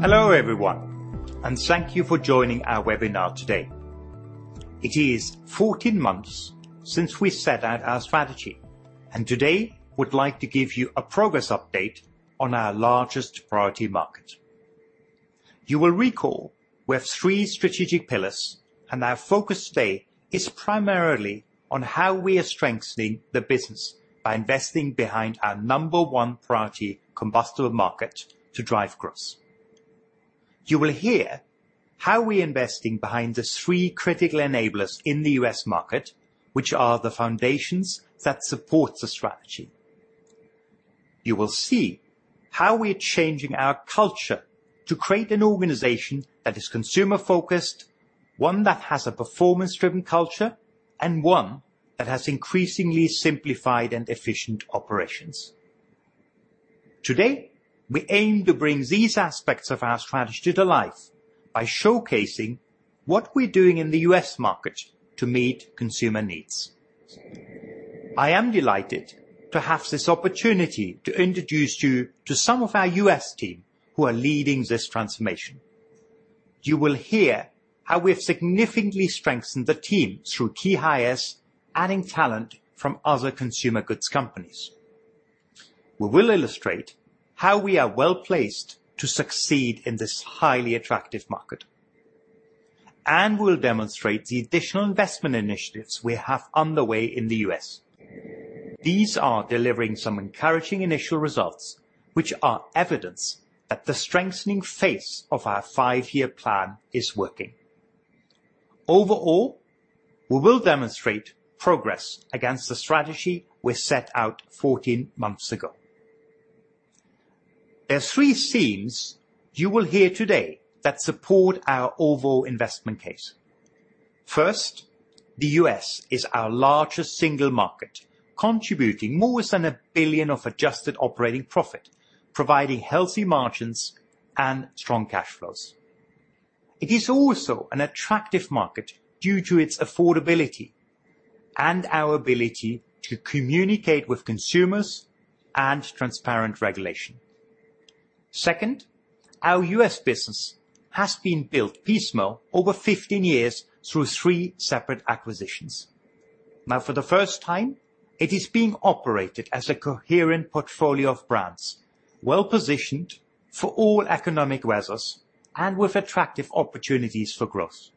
Hello, everyone, and thank you for joining our webinar today. It is 14 months since we set out our strategy, and today we would like to give you a progress update on our largest priority market. You will recall we have three strategic pillars, and our focus today is primarily on how we are strengthening the business by investing behind our number one priority combustible market to drive growth. You will hear how we're investing behind the three critical enablers in the U.S. market, which are the foundations that support the strategy. You will see how we are changing our culture to create an organization that is consumer-focused, one that has a performance-driven culture, and one that has increasingly simplified and efficient operations. Today, we aim to bring these aspects of our strategy to life by showcasing what we're doing in the U.S. market to meet consumer needs. I am delighted to have this opportunity to introduce you to some of our U.S. team who are leading this transformation. You will hear how we've significantly strengthened the team through key hires, adding talent from other consumer goods companies. We will illustrate how we are well-placed to succeed in this highly attractive market, and we'll demonstrate the additional investment initiatives we have underway in the U.S. These are delivering some encouraging initial results, which are evidence that the strengthening phase of our five-year plan is working. Overall, we will demonstrate progress against the strategy we set out 14 months ago. There are three themes you will hear today that support our overall investment case. First, the U.S. is our largest single market, contributing more than $1 billion of adjusted operating profit, providing healthy margins and strong cash flows. It is also an attractive market due to its affordability and our ability to communicate with consumers and transparent regulation. Second, our U.S. business has been built piecemeal over 15 years through three separate acquisitions. Now, for the first time, it is being operated as a coherent portfolio of brands, well-positioned for all economic weathers and with attractive opportunities for growth.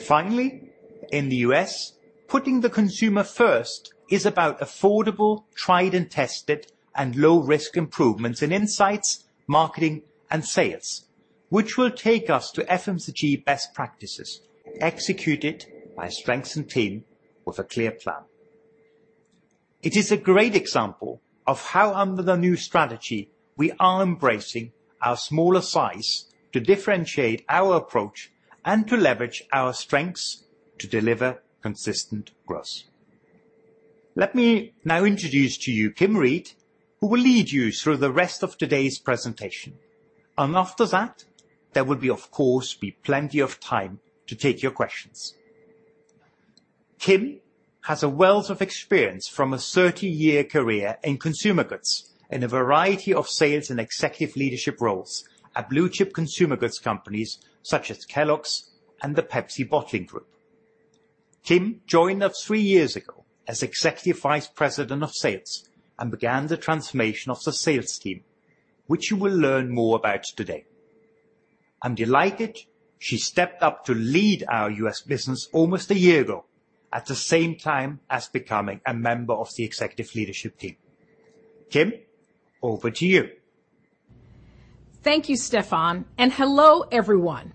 Finally, in the U.S., putting the consumer first is about affordable, tried and tested, and low-risk improvements in insights, marketing, and sales, which will take us to FMCG best practices executed by a strengthened team with a clear plan. It is a great example of how under the new strategy we are embracing our smaller size to differentiate our approach and to leverage our strengths to deliver consistent growth. Let me now introduce to you Kim Reed, who will lead you through the rest of today's presentation. After that, there will be, of course, plenty of time to take your questions. Kim has a wealth of experience from a 30-year career in consumer goods in a variety of sales and executive leadership roles at blue chip consumer goods companies such as Kellogg's and the Pepsi Bottling Group. Kim joined us three years ago as Executive Vice President of Sales and began the transformation of the sales team, which you will learn more about today. I'm delighted she stepped up to lead our U.S. business almost a year ago, at the same time as becoming a member of the executive leadership team. Kim, over to you. Thank you, Stefan, and hello, everyone.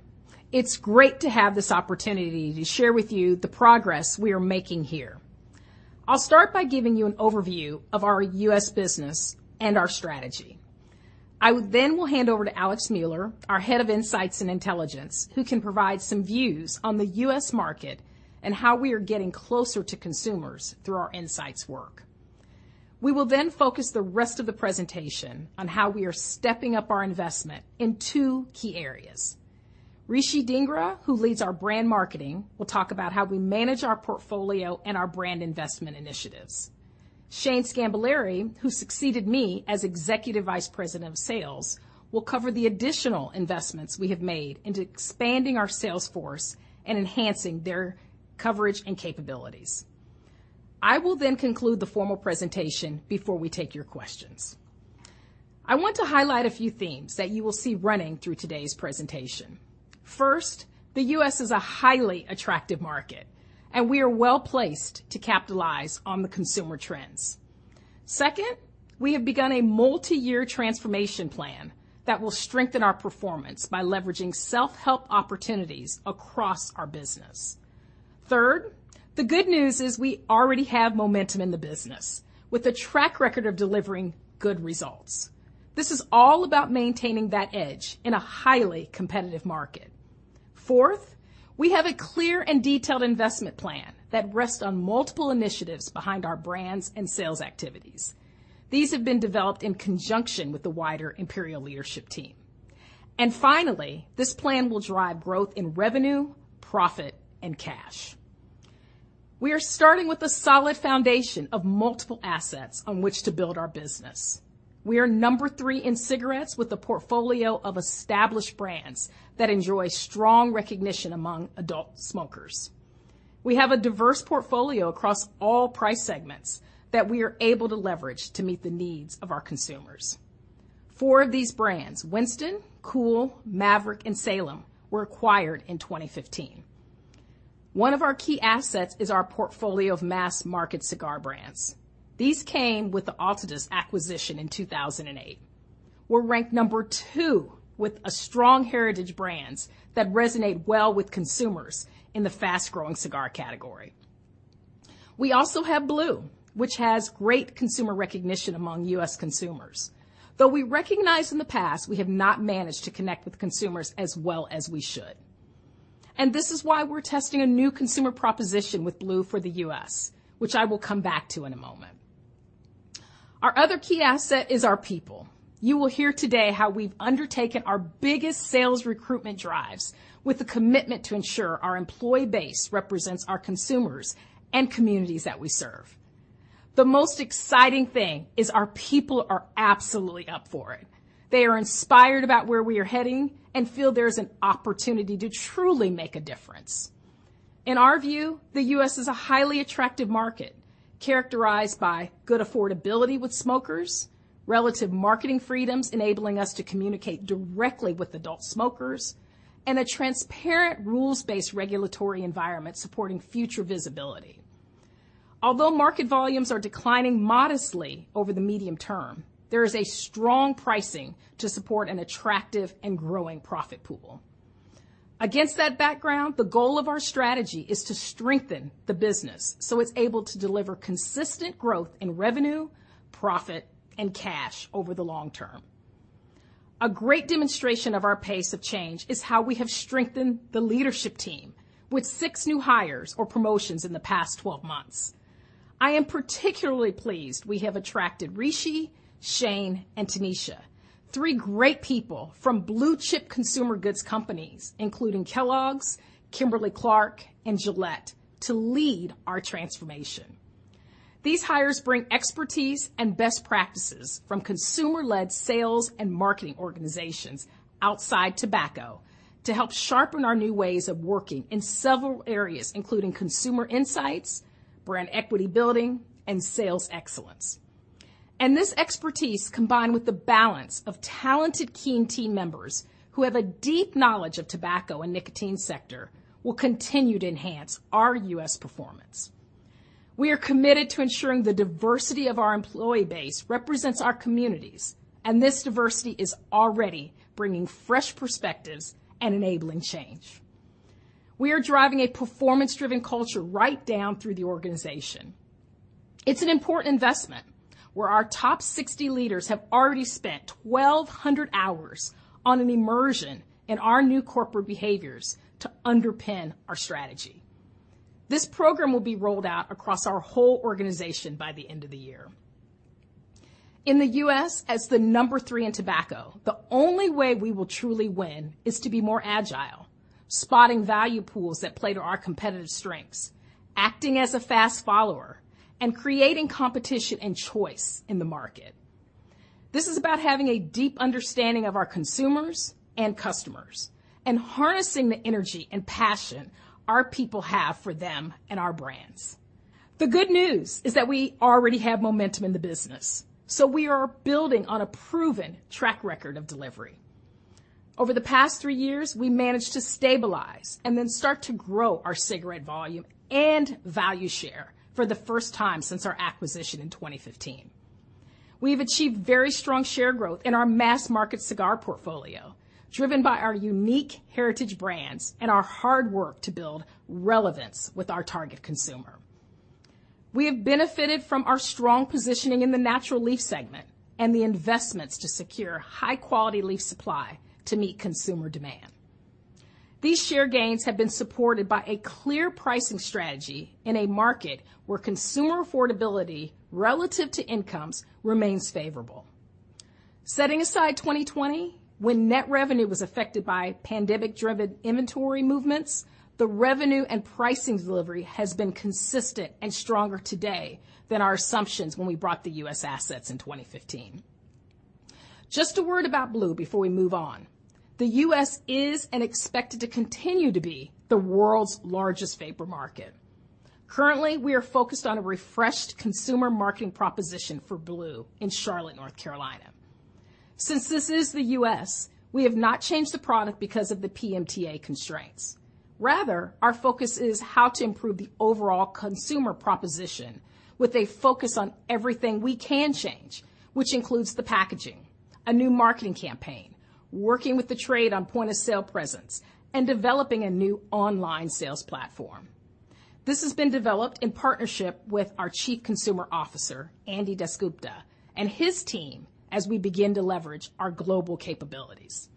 It's great to have this opportunity to share with you the progress we are making here. I'll start by giving you an overview of our U.S. business and our strategy. I will then hand over to Alex Mueller, our Head of Insights and Intelligence, who can provide some views on the U.S. market and how we are getting closer to consumers through our insights work. We will then focus the rest of the presentation on how we are stepping up our investment in two key areas. Rishi Dhingra, who leads our brand marketing, will talk about how we manage our portfolio and our brand investment initiatives. Shane Sgambelluri, who succeeded me as Executive Vice President of Sales, will cover the additional investments we have made into expanding our sales force and enhancing their coverage and capabilities. I will then conclude the formal presentation before we take your questions. I want to highlight a few themes that you will see running through today's presentation. First, the U.S. is a highly attractive market, and we are well-placed to capitalize on the consumer trends. Second, we have begun a multi-year transformation plan that will strengthen our performance by leveraging self-help opportunities across our business. Third, the good news is we already have momentum in the business with a track record of delivering good results. This is all about maintaining that edge in a highly competitive market. Fourth, we have a clear and detailed investment plan that rests on multiple initiatives behind our brands and sales activities. These have been developed in conjunction with the wider Imperial leadership team. Finally, this plan will drive growth in revenue, profit, and cash. We are starting with a solid foundation of multiple assets on which to build our business. We are number three in cigarettes with a portfolio of established brands that enjoy strong recognition among adult smokers. We have a diverse portfolio across all price segments that we are able to leverage to meet the needs of our consumers. Four of these brands, Winston, Kool, Maverick, and Salem, were acquired in 2015. One of our key assets is our portfolio of mass-market cigar brands. These came with the Altadis acquisition in 2008. We're ranked number two with a strong heritage brands that resonate well with consumers in the fast-growing cigar category. We also have blu, which has great consumer recognition among U.S. consumers, though we recognize in the past we have not managed to connect with consumers as well as we should. This is why we're testing a new consumer proposition with blu for the U.S., which I will come back to in a moment. Our other key asset is our people. You will hear today how we've undertaken our biggest sales recruitment drives with a commitment to ensure our employee base represents our consumers and communities that we serve. The most exciting thing is our people are absolutely up for it. They are inspired about where we are heading and feel there's an opportunity to truly make a difference. In our view, the U.S. is a highly attractive market characterized by good affordability with smokers, relative marketing freedoms enabling us to communicate directly with adult smokers, and a transparent rules-based regulatory environment supporting future visibility. Although market volumes are declining modestly over the medium term, there is a strong pricing to support an attractive and growing profit pool. Against that background, the goal of our strategy is to strengthen the business so it's able to deliver consistent growth in revenue, profit, and cash over the long term. A great demonstration of our pace of change is how we have strengthened the leadership team with six new hires or promotions in the past 12 months. I am particularly pleased we have attracted Rishi, Shane, and Tanisha, three great people from blue-chip consumer goods companies, including Kellogg's, Kimberly-Clark, and Gillette, to lead our transformation. These hires bring expertise and best practices from consumer-led sales and marketing organizations outside tobacco to help sharpen our new ways of working in several areas, including consumer insights, brand equity building, and sales excellence. This expertise, combined with the balance of talented, keen team members who have a deep knowledge of tobacco and nicotine sector, will continue to enhance our U.S. performance. We are committed to ensuring the diversity of our employee base represents our communities, and this diversity is already bringing fresh perspectives and enabling change. We are driving a performance-driven culture right down through the organization. It's an important investment where our top 60 leaders have already spent 1,200 hours on an immersion in our new corporate behaviors to underpin our strategy. This program will be rolled out across our whole organization by the end of the year. In the U.S., as the number three in tobacco, the only way we will truly win is to be more agile, spotting value pools that play to our competitive strengths, acting as a fast follower, and creating competition and choice in the market. This is about having a deep understanding of our consumers and customers and harnessing the energy and passion our people have for them and our brands. The good news is that we already have momentum in the business, so we are building on a proven track record of delivery. Over the past three years, we managed to stabilize and then start to grow our cigarette volume and value share for the first time since our acquisition in 2015. We have achieved very strong share growth in our mass-market cigar portfolio, driven by our unique heritage brands and our hard work to build relevance with our target consumer. We have benefited from our strong positioning in the natural leaf segment and the investments to secure high-quality leaf supply to meet consumer demand. These share gains have been supported by a clear pricing strategy in a market where consumer affordability relative to incomes remains favorable. Setting aside 2020, when net revenue was affected by pandemic-driven inventory movements, the revenue and pricing delivery has been consistent and stronger today than our assumptions when we brought the U.S. assets in 2015. Just a word about blu before we move on. The U.S. is and is expected to continue to be the world's largest vapor market. Currently, we are focused on a refreshed consumer marketing proposition for blu in Charlotte, North Carolina. Since this is the U.S., we have not changed the product because of the PMTA constraints. Rather, our focus is how to improve the overall consumer proposition with a focus on everything we can change, which includes the packaging, a new marketing campaign, working with the trade on point-of-sale presence, and developing a new online sales platform. This has been developed in partnership with our Chief Consumer Officer, Anindya Dasgupta, and his team as we begin to leverage our global capabilities.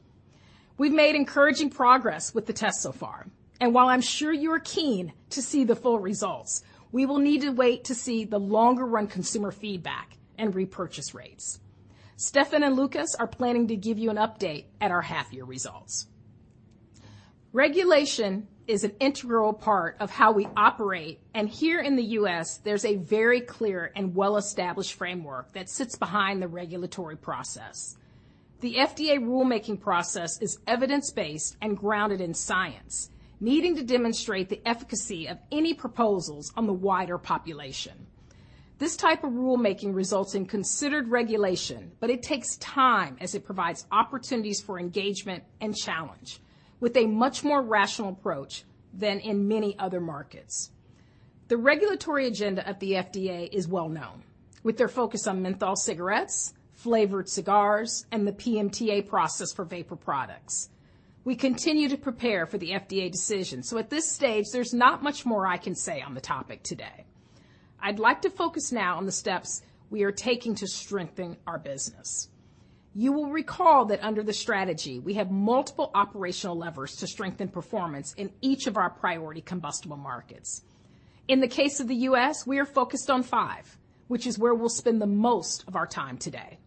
We've made encouraging progress with the test so far. While I'm sure you're keen to see the full results, we will need to wait to see the longer-run consumer feedback and repurchase rates. Stefan and Lukas are planning to give you an update at our half-year results. Regulation is an integral part of how we operate, and here in the U.S., there's a very clear and well-established framework that sits behind the regulatory process. The FDA rulemaking process is evidence-based and grounded in science, needing to demonstrate the efficacy of any proposals on the wider population. This type of rulemaking results in considered regulation, but it takes time as it provides opportunities for engagement and challenge with a much more rational approach than in many other markets. The regulatory agenda at the FDA is well known, with their focus on menthol cigarettes, flavored cigars, and the PMTA process for vapor products. We continue to prepare for the FDA decision, so at this stage, there's not much more I can say on the topic today. I'd like to focus now on the steps we are taking to strengthen our business. You will recall that under the strategy, we have multiple operational levers to strengthen performance in each of our priority combustible markets. In the case of the U.S., we are focused on five, which is where we'll spend the most of our time today.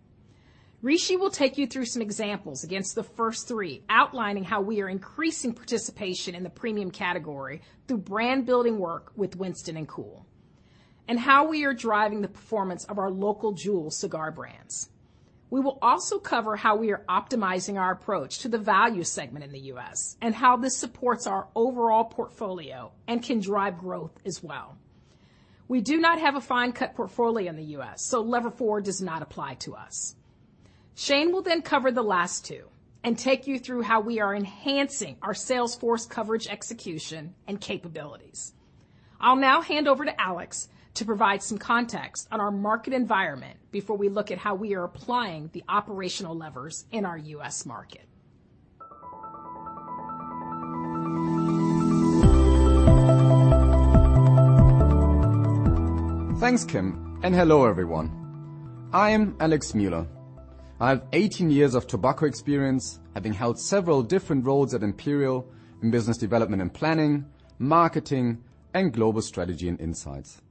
Rishi will take you through some examples against the first three, outlining how we are increasing participation in the premium category through brand-building work with Winston and Kool, and how we are driving the performance of our local jewel cigar brands. We will also cover how we are optimizing our approach to the value segment in the U.S., and how this supports our overall portfolio and can drive growth as well. We do not have a fine-cut portfolio in the U.S., so lever four does not apply to us. Shane will then cover the last two and take you through how we are enhancing our sales force coverage execution and capabilities. I'll now hand over to Alex to provide some context on our market environment before we look at how we are applying the operational levers in our U.S. market. Thanks, Kim, and hello, everyone. I am Alex Mueller. I have 18 years of tobacco experience, having held several different roles at Imperial in business development and planning, marketing, and global strategy and insights.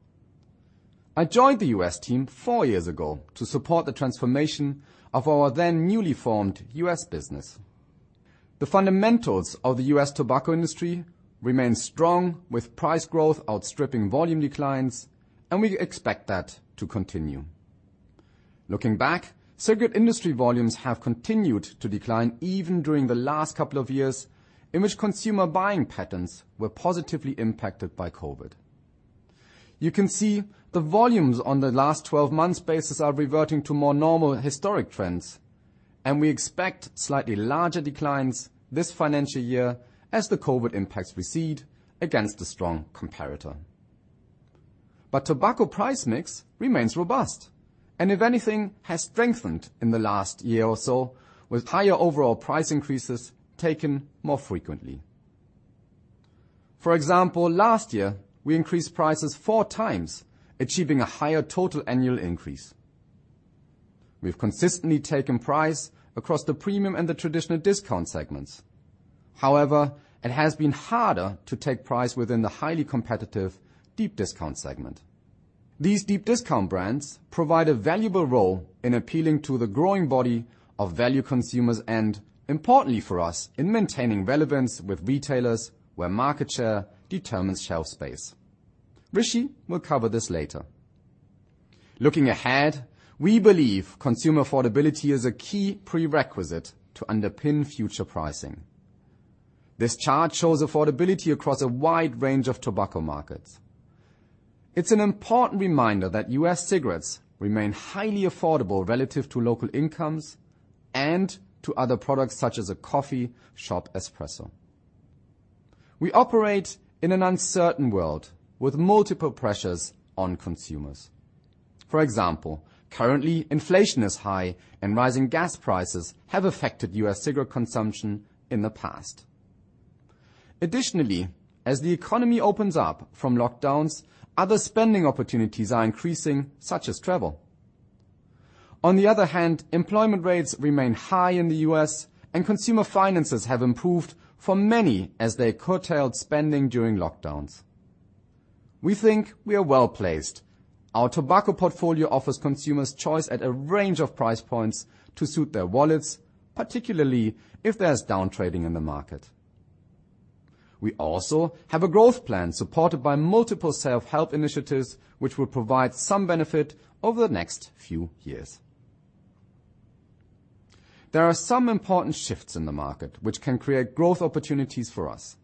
I joined the U.S. team four years ago to support the transformation of our then newly formed U.S. business. The fundamentals of the U.S. tobacco industry remain strong, with price growth outstripping volume declines, and we expect that to continue. Looking back, cigarette industry volumes have continued to decline even during the last couple of years in which consumer buying patterns were positively impacted by COVID. You can see the volumes on the last 12 months basis are reverting to more normal historic trends, and we expect slightly larger declines this financial year as the COVID impacts recede against a strong comparator. Tobacco price mix remains robust, and if anything, has strengthened in the last year or so with higher overall price increases taken more frequently. For example, last year, we increased prices four times, achieving a higher total annual increase. We've consistently taken price across the premium and the traditional discount segments. However, it has been harder to take price within the highly competitive deep discount segment. These deep discount brands provide a valuable role in appealing to the growing body of value consumers and, importantly for us, in maintaining relevance with retailers where market share determines shelf space. Rishi will cover this later. Looking ahead, we believe consumer affordability is a key prerequisite to underpin future pricing. This chart shows affordability across a wide range of tobacco markets. It's an important reminder that U.S. cigarettes remain highly affordable relative to local incomes and to other products such as a coffee shop espresso. We operate in an uncertain world with multiple pressures on consumers. For example, currently inflation is high and rising gas prices have affected U.S. cigarette consumption in the past. Additionally, as the economy opens up from lockdowns, other spending opportunities are increasing, such as travel. On the other hand, employment rates remain high in the U.S. and consumer finances have improved for many as they curtailed spending during lockdowns. We think we are well-placed. Our tobacco portfolio offers consumers choice at a range of price points to suit their wallets, particularly if there's down trading in the market. We also have a growth plan supported by multiple self-help initiatives which will provide some benefit over the next few years. There are some important shifts in the market which can create growth opportunities for us.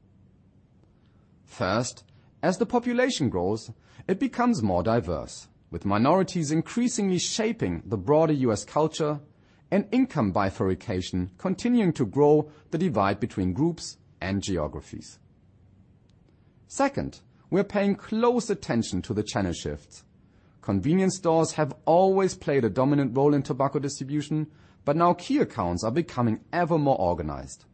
First, as the population grows, it becomes more diverse, with minorities increasingly shaping the broader U.S. culture and income bifurcation continuing to grow the divide between groups and geographies. Second, we're paying close attention to the channel shifts. Convenience stores have always played a dominant role in tobacco distribution, but now key accounts are becoming ever more organized.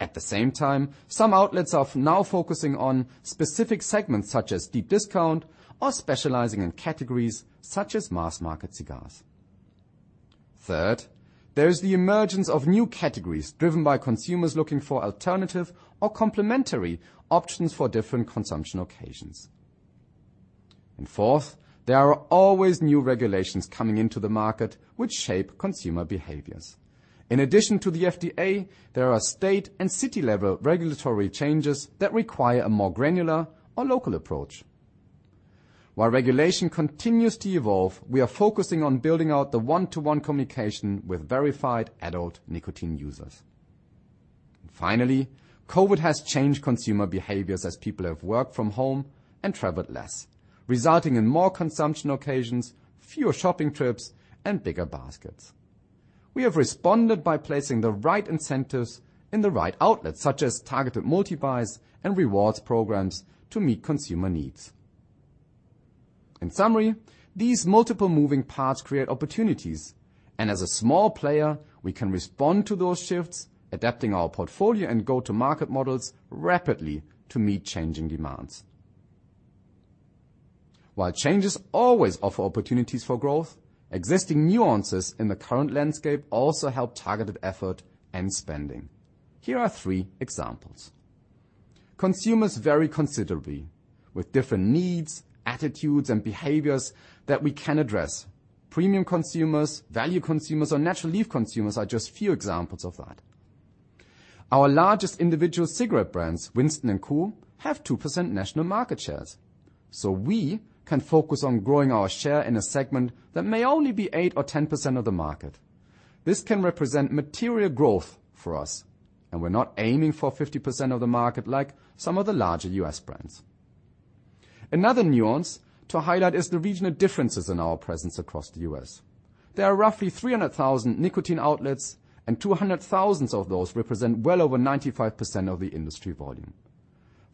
At the same time, some outlets are now focusing on specific segments such as deep discount or specializing in categories such as mass-market cigars. Third, there is the emergence of new categories driven by consumers looking for alternative or complementary options for different consumption occasions. Fourth, there are always new regulations coming into the market which shape consumer behaviors. In addition to the FDA, there are state and city level regulatory changes that require a more granular or local approach. While regulation continues to evolve, we are focusing on building out the one-to-one communication with verified adult nicotine users. Finally, COVID has changed consumer behaviors as people have worked from home and traveled less, resulting in more consumption occasions, fewer shopping trips, and bigger baskets. We have responded by placing the right incentives in the right outlets, such as targeted multi-buys and rewards programs to meet consumer needs. In summary, these multiple moving parts create opportunities, and as a small player, we can respond to those shifts, adapting our portfolio and go-to-market models rapidly to meet changing demands. While changes always offer opportunities for growth, existing nuances in the current landscape also help targeted effort and spending. Here are three examples. Consumers vary considerably with different needs, attitudes, and behaviors that we can address. Premium consumers, value consumers, or natural leaf consumers are just few examples of that. Our largest individual cigarette brands, Winston and Kool, have 2% national market shares, so we can focus on growing our share in a segment that may only be 8% or 10% of the market. This can represent material growth for us, and we're not aiming for 50% of the market like some of the larger U.S. brands. Another nuance to highlight is the regional differences in our presence across the U.S. There are roughly 300,000 nicotine outlets, and 200,000 of those represent well over 95% of the industry volume.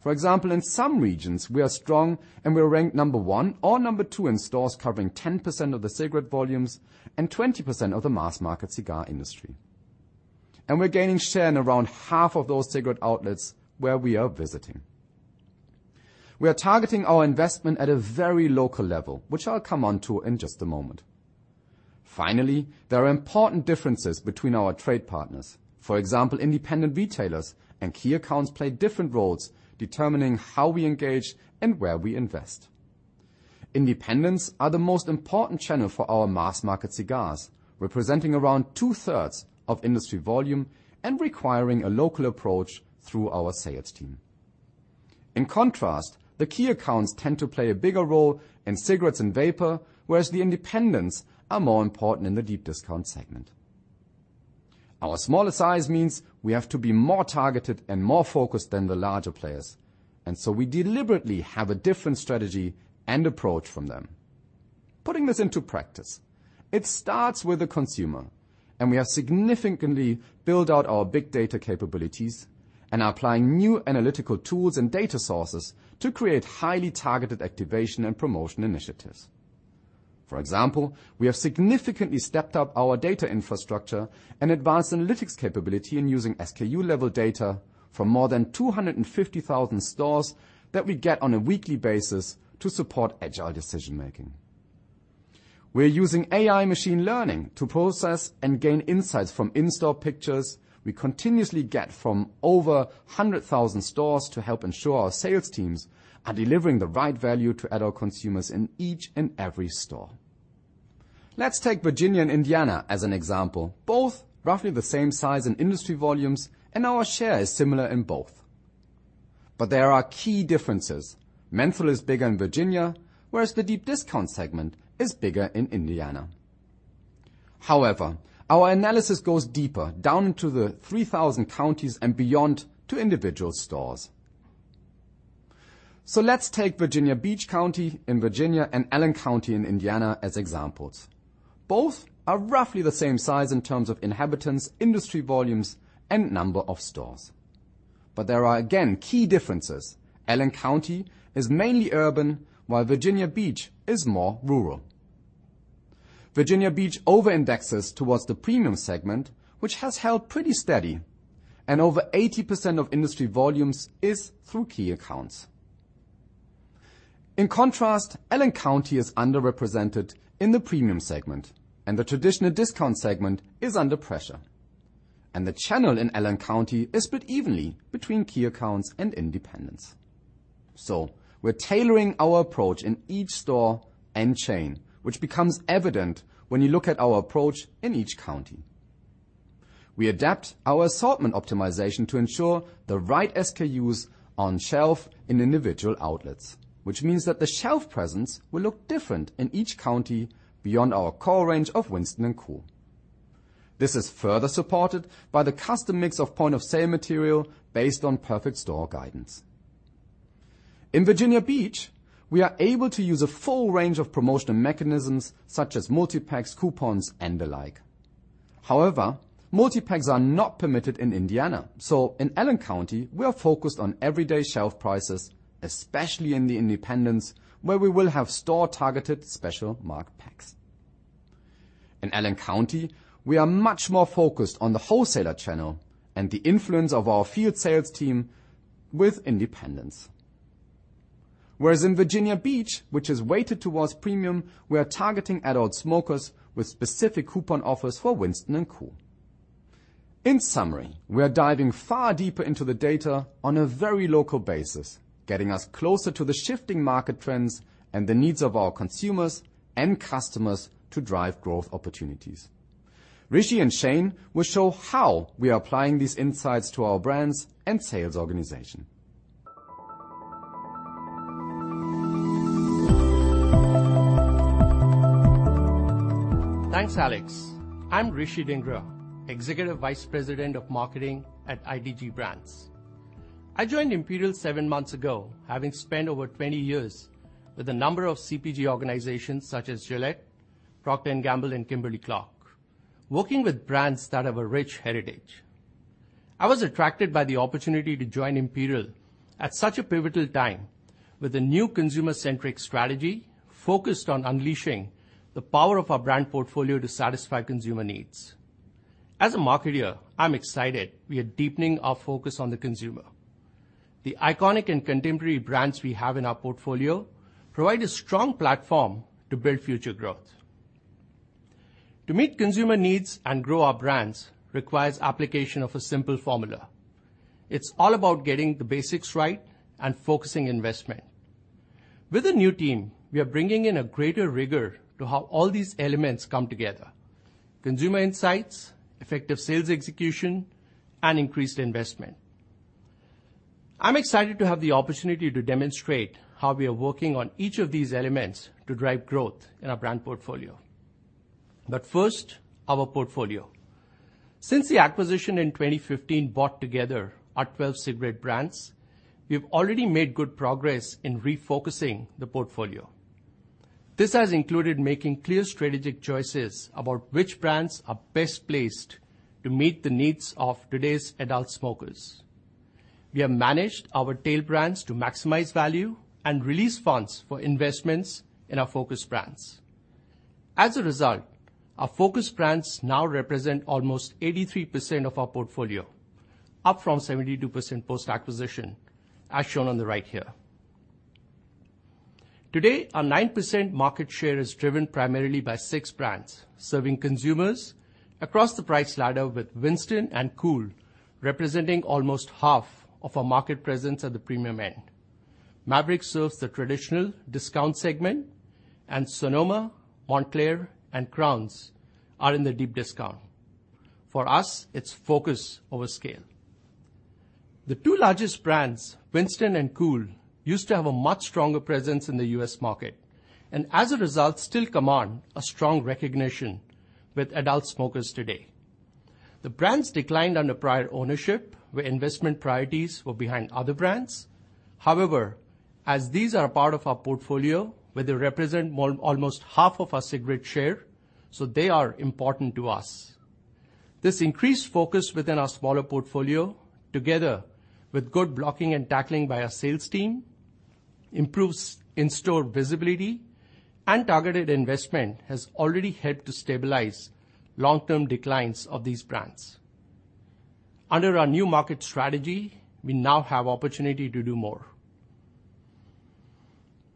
For example, in some regions we are strong, and we are ranked number one or number two in stores covering 10% of the cigarette volumes and 20% of the mass market cigar industry. We're gaining share in around half of those cigarette outlets where we are visiting. We are targeting our investment at a very local level, which I'll come on to in just a moment. Finally, there are important differences between our trade partners. For example, independent retailers and key accounts play different roles determining how we engage and where we invest. Independents are the most important channel for our mass market cigars, representing around two-thirds of industry volume and requiring a local approach through our sales team. In contrast, the key accounts tend to play a bigger role in cigarettes and vapor, whereas the independents are more important in the deep discount segment. Our smaller size means we have to be more targeted and more focused than the larger players, and so we deliberately have a different strategy and approach from them. Putting this into practice, it starts with the consumer, and we have significantly built out our big data capabilities and are applying new analytical tools and data sources to create highly targeted activation and promotion initiatives. For example, we have significantly stepped up our data infrastructure and advanced analytics capability in using SKU level data for more than 250,000 stores that we get on a weekly basis to support agile decision-making. We're using AI machine learning to process and gain insights from in-store pictures we continuously get from over 100,000 stores to help ensure our sales teams are delivering the right value to adult consumers in each and every store. Let's take Virginia and Indiana as an example, both roughly the same size in industry volumes, and our share is similar in both. There are key differences. Menthol is bigger in Virginia, whereas the deep discount segment is bigger in Indiana. Our analysis goes deeper down into the 3,000 counties and beyond to individual stores. Let's take Virginia Beach in Virginia and Allen County in Indiana as examples. Both are roughly the same size in terms of inhabitants, industry volumes, and number of stores. There are again key differences. Allen County is mainly urban, while Virginia Beach is more rural. Virginia Beach over-indexes towards the premium segment, which has held pretty steady, and over 80% of industry volumes is through key accounts. In contrast, Allen County is underrepresented in the premium segment, and the traditional discount segment is under pressure. The channel in Allen County is split evenly between key accounts and independents. We're tailoring our approach in each store and chain, which becomes evident when you look at our approach in each county. We adapt our assortment optimization to ensure the right SKUs on shelf in individual outlets, which means that the shelf presence will look different in each county beyond our core range of Winston and Kool. This is further supported by the custom mix of point of sale material based on perfect store guidance. In Virginia Beach, we are able to use a full range of promotional mechanisms such as multipacks, coupons and the like. However, multipacks are not permitted in Indiana, so in Allen County we are focused on everyday shelf prices, especially in the independents, where we will have store targeted special marked packs. In Allen County, we are much more focused on the wholesaler channel and the influence of our field sales team with independents. Whereas in Virginia Beach, which is weighted towards premium, we are targeting adult smokers with specific coupon offers for Winston and Kool. In summary, we are diving far deeper into the data on a very local basis, getting us closer to the shifting market trends and the needs of our consumers and customers to drive growth opportunities. Rishi and Shane will show how we are applying these insights to our brands and sales organization. Thanks, Alex. I'm Rishi Dhingra, Executive Vice President of Marketing at ITG Brands. I joined Imperial seven months ago, having spent over 20 years with a number of CPG organizations such as Gillette, Procter & Gamble, and Kimberly-Clark, working with brands that have a rich heritage. I was attracted by the opportunity to join Imperial at such a pivotal time with a new consumer-centric strategy focused on unleashing the power of our brand portfolio to satisfy consumer needs. As a marketer, I'm excited we are deepening our focus on the consumer. The iconic and contemporary brands we have in our portfolio provide a strong platform to build future growth. To meet consumer needs and grow our brands requires application of a simple formula. It's all about getting the basics right and focusing investment. With the new team, we are bringing in a greater rigor to how all these elements come together, consumer insights, effective sales execution, and increased investment. I'm excited to have the opportunity to demonstrate how we are working on each of these elements to drive growth in our brand portfolio. First, our portfolio. Since the acquisition in 2015 brought together our 12 cigarette brands, we've already made good progress in refocusing the portfolio. This has included making clear strategic choices about which brands are best placed to meet the needs of today's adult smokers. We have managed our tail brands to maximize value and release funds for investments in our focus brands. As a result, our focus brands now represent almost 83% of our portfolio, up from 72% post-acquisition, as shown on the right here. Today, our 9% market share is driven primarily by six brands serving consumers across the price ladder, with Winston and Kool representing almost half of our market presence at the premium end. Maverick serves the traditional discount segment, and Sonoma, Montclair, and Crowns are in the deep discount. For us, it's focus over scale. The two largest brands, Winston and Kool, used to have a much stronger presence in the U.S. market, and as a result, still command a strong recognition with adult smokers today. The brands declined under prior ownership, where investment priorities were behind other brands. However, as these are part of our portfolio, where they represent almost half of our cigarette share, so they are important to us. This increased focus within our smaller portfolio, together with good blocking and tackling by our sales team, improves in-store visibility, and targeted investment has already helped to stabilize long-term declines of these brands. Under our new market strategy, we now have opportunity to do more.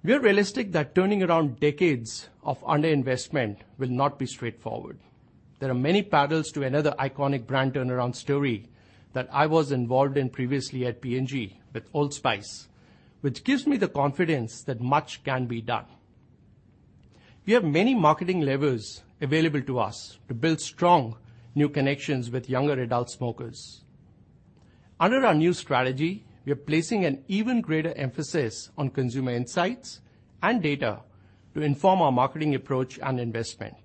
We are realistic that turning around decades of underinvestment will not be straightforward. There are many parallels to another iconic brand turnaround story that I was involved in previously at P&G with Old Spice, which gives me the confidence that much can be done. We have many marketing levers available to us to build strong new connections with younger adult smokers. Under our new strategy, we are placing an even greater emphasis on consumer insights and data to inform our marketing approach and investment.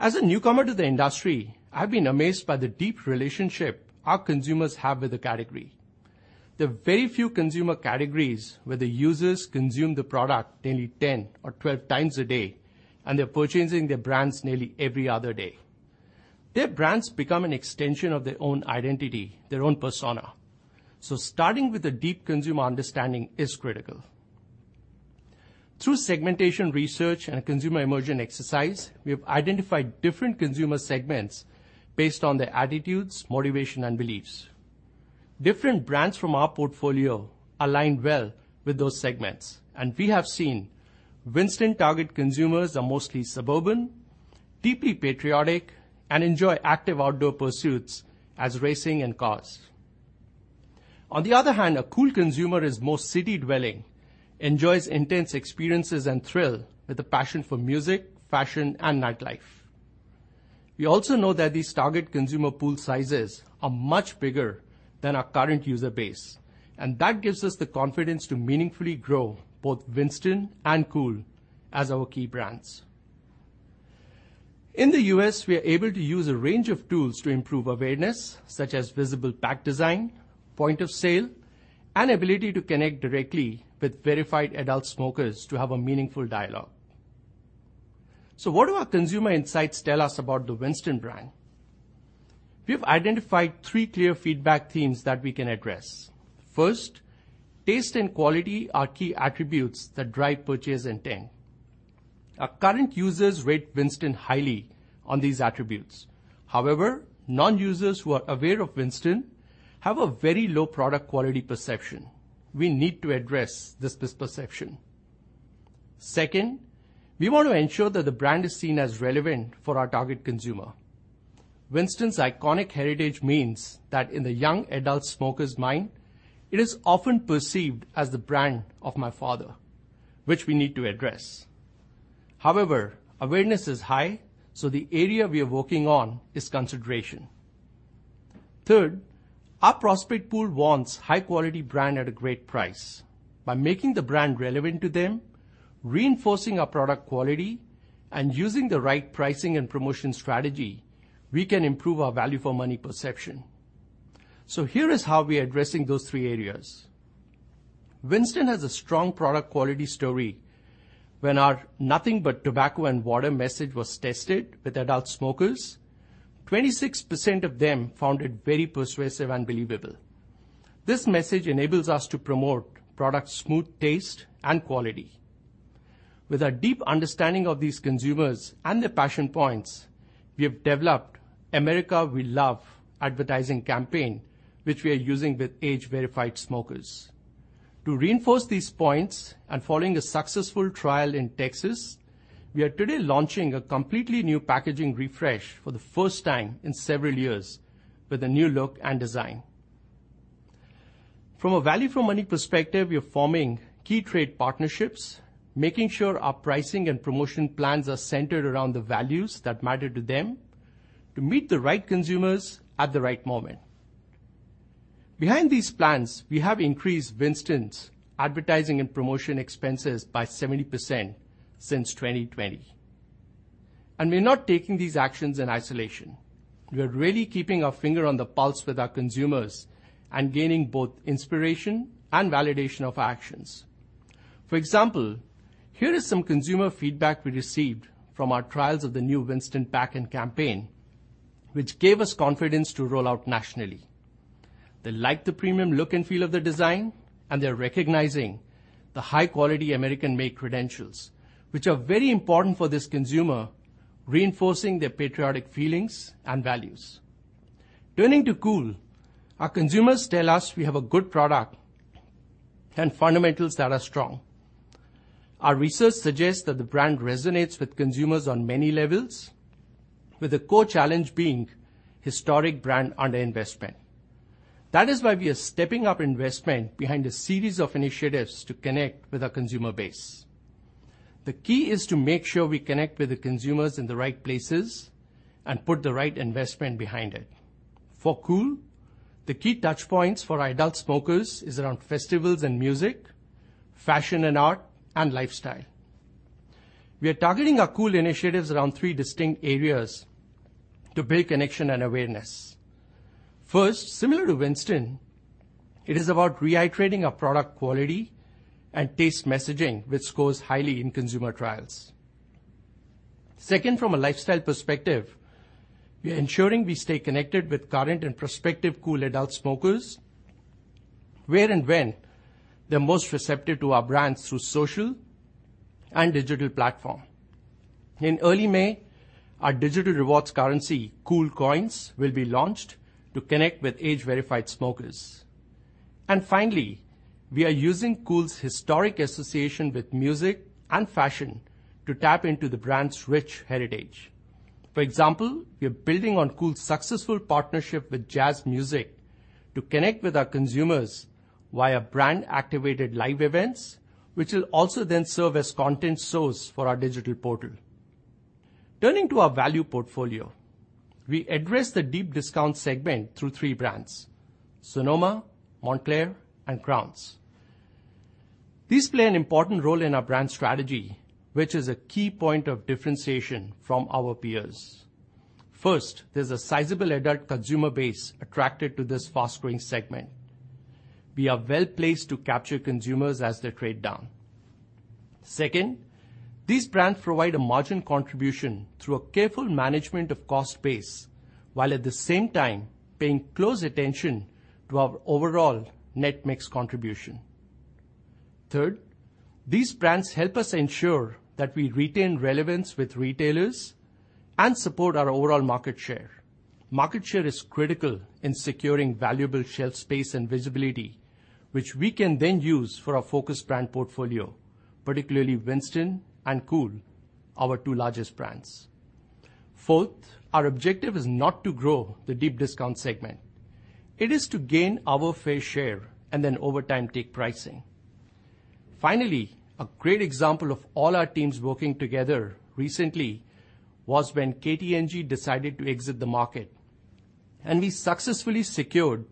As a newcomer to the industry, I've been amazed by the deep relationship our consumers have with the category. There are very few consumer categories where the users consume the product daily 10 or 12 times a day, and they're purchasing their brands nearly every other day. Their brands become an extension of their own identity, their own persona, so starting with a deep consumer understanding is critical. Through segmentation research and a consumer immersion exercise, we have identified different consumer segments based on their attitudes, motivation, and beliefs. Different brands from our portfolio align well with those segments, and we have seen Winston target consumers are mostly suburban, deeply patriotic, and enjoy active outdoor pursuits as racing and cars. On the other hand, a Kool consumer is more city-dwelling, enjoys intense experiences and thrill with a passion for music, fashion, and nightlife. We also know that these target consumer pool sizes are much bigger than our current user base, and that gives us the confidence to meaningfully grow both Winston and Kool as our key brands. In the U.S., we are able to use a range of tools to improve awareness, such as visible pack design, point of sale, and ability to connect directly with verified adult smokers to have a meaningful dialogue. What do our consumer insights tell us about the Winston brand? We've identified three clear feedback themes that we can address. First, taste and quality are key attributes that drive purchase intent. Our current users rate Winston highly on these attributes. However, non-users who are aware of Winston have a very low product quality perception. We need to address this misperception. Second, we want to ensure that the brand is seen as relevant for our target consumer. Winston's iconic heritage means that in the young adult smoker's mind, it is often perceived as the brand of my father, which we need to address. However, awareness is high, so the area we are working on is consideration. Third, our prospect pool wants high-quality brand at a great price. By making the brand relevant to them, reinforcing our product quality, and using the right pricing and promotion strategy, we can improve our value for money perception. Here is how we are addressing those three areas. Winston has a strong product quality story when our nothing but tobacco and water message was tested with adult smokers, 26% of them found it very persuasive and believable. This message enables us to promote product smooth taste and quality. With a deep understanding of these consumers and their passion points, we have developed America We Love advertising campaign, which we are using with age-verified smokers. To reinforce these points and following a successful trial in Texas, we are today launching a completely new packaging refresh for the first time in several years with a new look and design. From a value for money perspective, we are forming key trade partnerships, making sure our pricing and promotion plans are centered around the values that matter to them to meet the right consumers at the right moment. Behind these plans, we have increased Winston's advertising and promotion expenses by 70% since 2020. We're not taking these actions in isolation. We are really keeping our finger on the pulse with our consumers and gaining both inspiration and validation of actions. For example, here is some consumer feedback we received from our trials of the new Winston pack and campaign, which gave us confidence to roll out nationally. They like the premium look and feel of the design, and they're recognizing the high-quality American-made credentials, which are very important for this consumer, reinforcing their patriotic feelings and values. Turning to Kool, our consumers tell us we have a good product and fundamentals that are strong. Our research suggests that the brand resonates with consumers on many levels, with the core challenge being historic brand underinvestment. That is why we are stepping up investment behind a series of initiatives to connect with our consumer base. The key is to make sure we connect with the consumers in the right places and put the right investment behind it. For Kool, the key touchpoints for adult smokers is around festivals and music, fashion and art, and lifestyle. We are targeting our Kool initiatives around three distinct areas to build connection and awareness. First, similar to Winston, it is about reiterating our product quality and taste messaging, which scores highly in consumer trials. Second, from a lifestyle perspective, we are ensuring we stay connected with current and prospective Kool adult smokers where and when they're most receptive to our brands through social and digital platform. In early May, our digital rewards currency, Kool Coins, will be launched to connect with age-verified smokers. Finally, we are using Kool's historic association with music and fashion to tap into the brand's rich heritage. For example, we are building on Kool's successful partnership with jazz music to connect with our consumers via brand-activated live events, which will also then serve as content source for our digital portal. Turning to our value portfolio, we address the deep discount segment through three brands, Sonoma, Montclair, and Crowns. These play an important role in our brand strategy, which is a key point of differentiation from our peers. First, there's a sizable adult consumer base attracted to this fast-growing segment. We are well-placed to capture consumers as they trade down. Second, these brands provide a margin contribution through a careful management of cost base, while at the same time paying close attention to our overall net mix contribution. Third, these brands help us ensure that we retain relevance with retailers and support our overall market share. Market share is critical in securing valuable shelf space and visibility, which we can then use for our focus brand portfolio, particularly Winston and Kool, our two largest brands. Fourth, our objective is not to grow the deep discount segment. It is to gain our fair share and then over time take pricing. Finally, a great example of all our teams working together recently was when KT&G decided to exit the market, and we successfully secured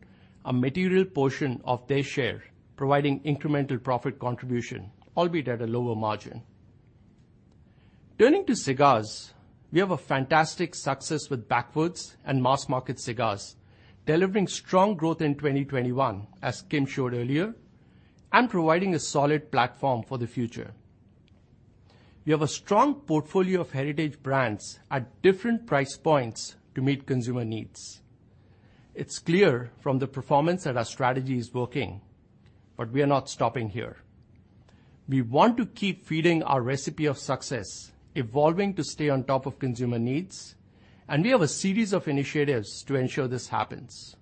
a material portion of their share, providing incremental profit contribution, albeit at a lower margin. Turning to cigars, we have a fantastic success with Backwoods and mass-market cigars, delivering strong growth in 2021, as Kim showed earlier, and providing a solid platform for the future. We have a strong portfolio of heritage brands at different price points to meet consumer needs. It's clear from the performance that our strategy is working, but we are not stopping here. We want to keep feeding our recipe of success, evolving to stay on top of consumer needs, and we have a series of initiatives to ensure this happens.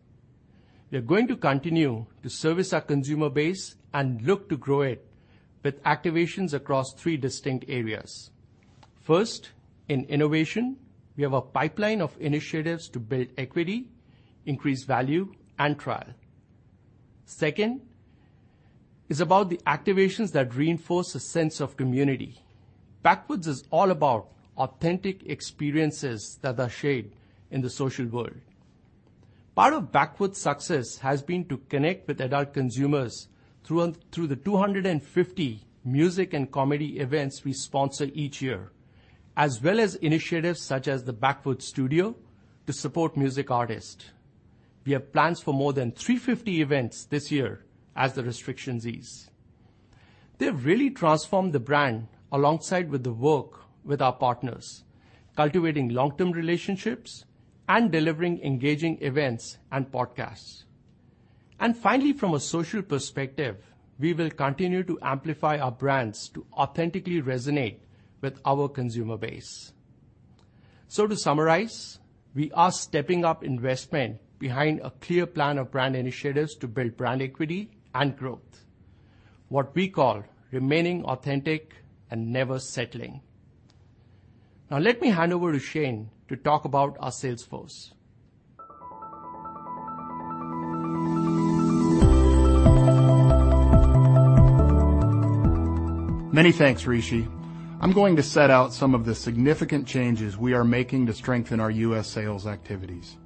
We are going to continue to service our consumer base and look to grow it with activations across three distinct areas. First, in innovation, we have a pipeline of initiatives to build equity, increase value, and trial. Second is about the activations that reinforce a sense of community. Backwoods is all about authentic experiences that are shared in the social world. Part of Backwoods' success has been to connect with adult consumers through the 250 music and comedy events we sponsor each year, as well as initiatives such as the Backwoods Studio to support music artists. We have plans for more than 350 events this year as the restrictions ease. They've really transformed the brand alongside with the work with our partners, cultivating long-term relationships and delivering engaging events and podcasts. Finally, from a social perspective, we will continue to amplify our brands to authentically resonate with our consumer base. To summarize, we are stepping up investment behind a clear plan of brand initiatives to build brand equity and growth, what we call remaining authentic and never settling. Now let me hand over to Shane to talk about our sales force. Many thanks, Rishi. I'm going to set out some of the significant changes we are making to strengthen our U.S. sales activities.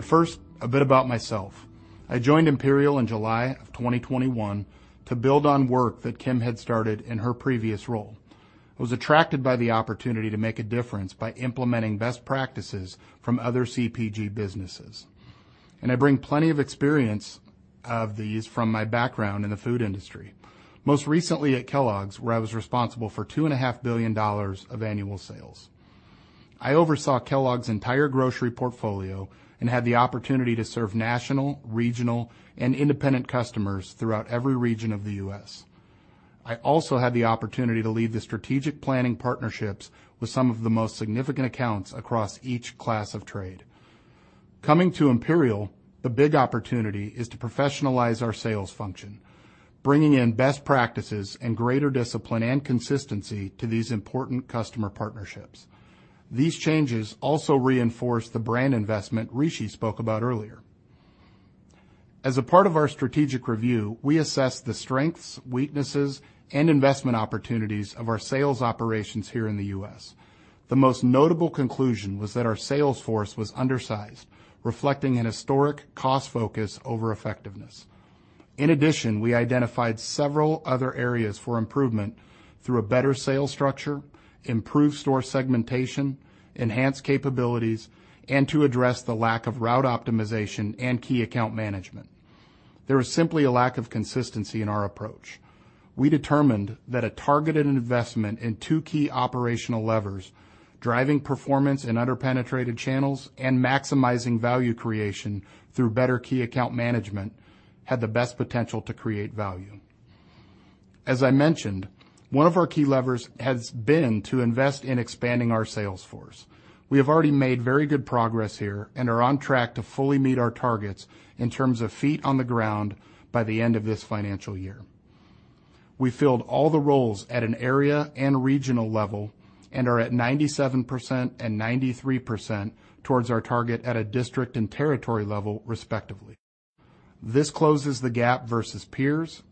First, a bit about myself. I joined Imperial in July of 2021 to build on work that Kim had started in her previous role. I was attracted by the opportunity to make a difference by implementing best practices from other CPG businesses, and I bring plenty of experience of these from my background in the food industry. Most recently at Kellogg's, where I was responsible for $2.5 billion of annual sales. I oversaw Kellogg's entire grocery portfolio and had the opportunity to serve national, regional, and independent customers throughout every region of the U.S. I also had the opportunity to lead the strategic planning partnerships with some of the most significant accounts across each class of trade. Coming to Imperial, the big opportunity is to professionalize our sales function, bringing in best practices and greater discipline and consistency to these important customer partnerships. These changes also reinforce the brand investment Rishi spoke about earlier. As a part of our strategic review, we assessed the strengths, weaknesses, and investment opportunities of our sales operations here in the U.S. The most notable conclusion was that our sales force was undersized, reflecting an historic cost focus over effectiveness. In addition, we identified several other areas for improvement through a better sales structure, improved store segmentation, enhanced capabilities, and to address the lack of route optimization and key account management. There was simply a lack of consistency in our approach. We determined that a targeted investment in two key operational levers, driving performance in under-penetrated channels and maximizing value creation through better key account management, had the best potential to create value. As I mentioned, one of our key levers has been to invest in expanding our sales force. We have already made very good progress here and are on track to fully meet our targets in terms of feet on the ground by the end of this financial year. We filled all the roles at an area and regional level and are at 97% and 93% towards our target at a district and territory level, respectively. This closes the gap versus peers,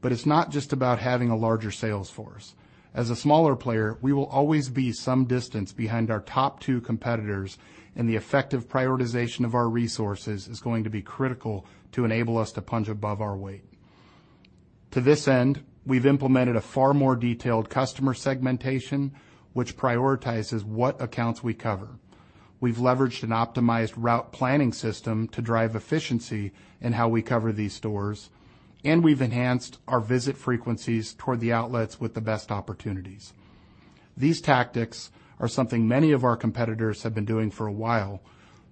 but it's not just about having a larger sales force. As a smaller player, we will always be some distance behind our top two competitors, and the effective prioritization of our resources is going to be critical to enable us to punch above our weight. To this end, we've implemented a far more detailed customer segmentation, which prioritizes what accounts we cover. We've leveraged an optimized route planning system to drive efficiency in how we cover these stores, and we've enhanced our visit frequencies toward the outlets with the best opportunities. These tactics are something many of our competitors have been doing for a while,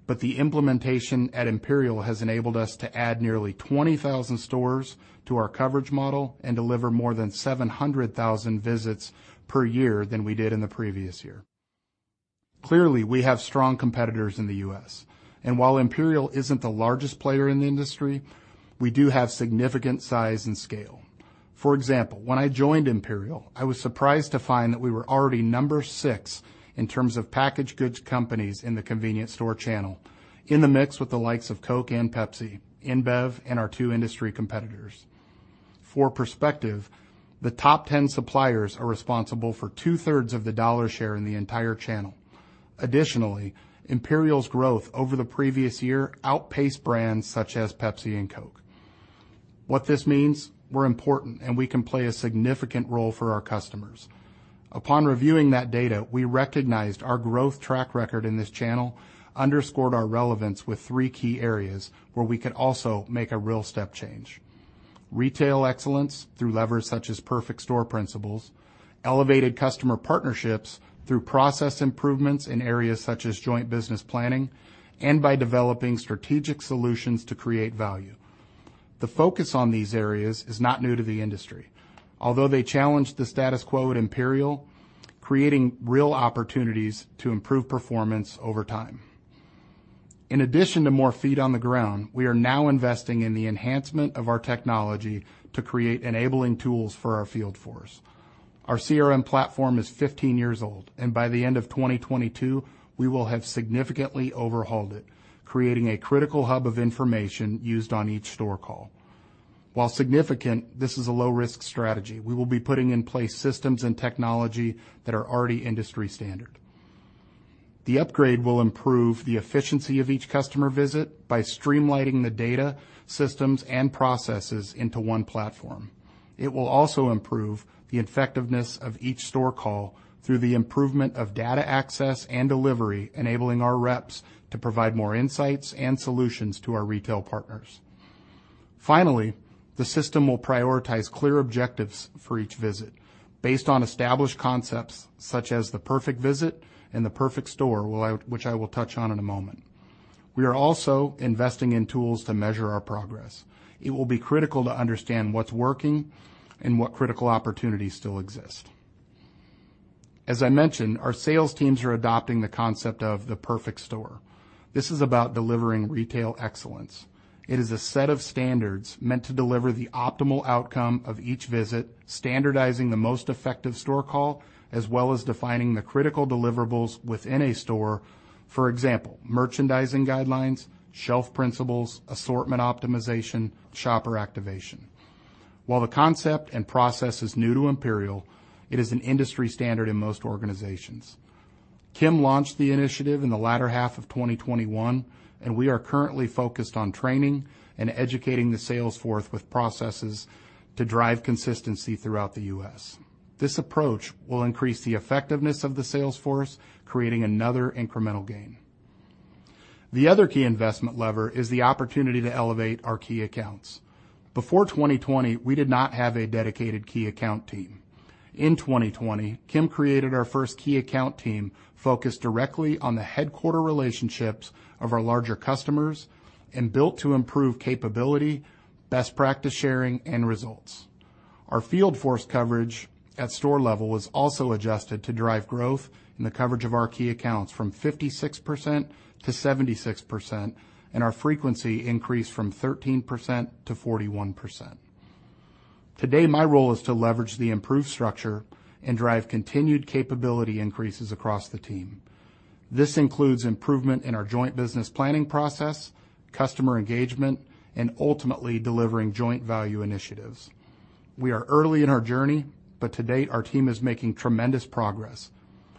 but the implementation at Imperial has enabled us to add nearly 20,000 stores to our coverage model and deliver more than 700,000 visits per year than we did in the previous year. Clearly, we have strong competitors in the US, and while Imperial isn't the largest player in the industry, we do have significant size and scale. For example, when I joined Imperial, I was surprised to find that we were already number six in terms of packaged goods companies in the convenience store channel in the mix with the likes of Coke and Pepsi, InBev, and our two industry competitors. For perspective, the top 10 suppliers are responsible for two-thirds of the dollar share in the entire channel. Additionally, Imperial's growth over the previous year outpaced brands such as Pepsi and Coke. What this means, we're important, and we can play a significant role for our customers. Upon reviewing that data, we recognized our growth track record in this channel underscored our relevance with three key areas where we could also make a real step change. Retail excellence through levers such as perfect store principles, elevated customer partnerships through process improvements in areas such as joint business planning and by developing strategic solutions to create value. The focus on these areas is not new to the industry, although they challenge the status quo at Imperial, creating real opportunities to improve performance over time. In addition to more feet on the ground, we are now investing in the enhancement of our technology to create enabling tools for our field force. Our CRM platform is 15 years old, and by the end of 2022, we will have significantly overhauled it, creating a critical hub of information used on each store call. While significant, this is a low risk strategy. We will be putting in place systems and technology that are already industry standard. The upgrade will improve the efficiency of each customer visit by streamlining the data, systems and processes into one platform. It will also improve the effectiveness of each store call through the improvement of data access and delivery, enabling our reps to provide more insights and solutions to our retail partners. Finally, the system will prioritize clear objectives for each visit based on established concepts such as the perfect visit and the perfect store, which I will touch on in a moment. We are also investing in tools to measure our progress. It will be critical to understand what's working and what critical opportunities still exist. As I mentioned, our sales teams are adopting the concept of the perfect store. This is about delivering retail excellence. It is a set of standards meant to deliver the optimal outcome of each visit, standardizing the most effective store call, as well as defining the critical deliverables within a store. For example, merchandising guidelines, shelf principles, assortment optimization, shopper activation. While the concept and process is new to Imperial, it is an industry standard in most organizations. Kim launched the initiative in the latter half of 2021, and we are currently focused on training and educating the sales force with processes to drive consistency throughout the U.S. This approach will increase the effectiveness of the sales force, creating another incremental gain. The other key investment lever is the opportunity to elevate our key accounts. Before 2020, we did not have a dedicated key account team. In 2020, Kim created our first key account team focused directly on the headquarter relationships of our larger customers and built to improve capability, best practice sharing and results. Our field force coverage at store level was also adjusted to drive growth in the coverage of our key accounts from 56% to 76%, and our frequency increased from 13% to 41%. Today, my role is to leverage the improved structure and drive continued capability increases across the team. This includes improvement in our joint business planning process, customer engagement, and ultimately delivering joint value initiatives. We are early in our journey, but to date, our team is making tremendous progress.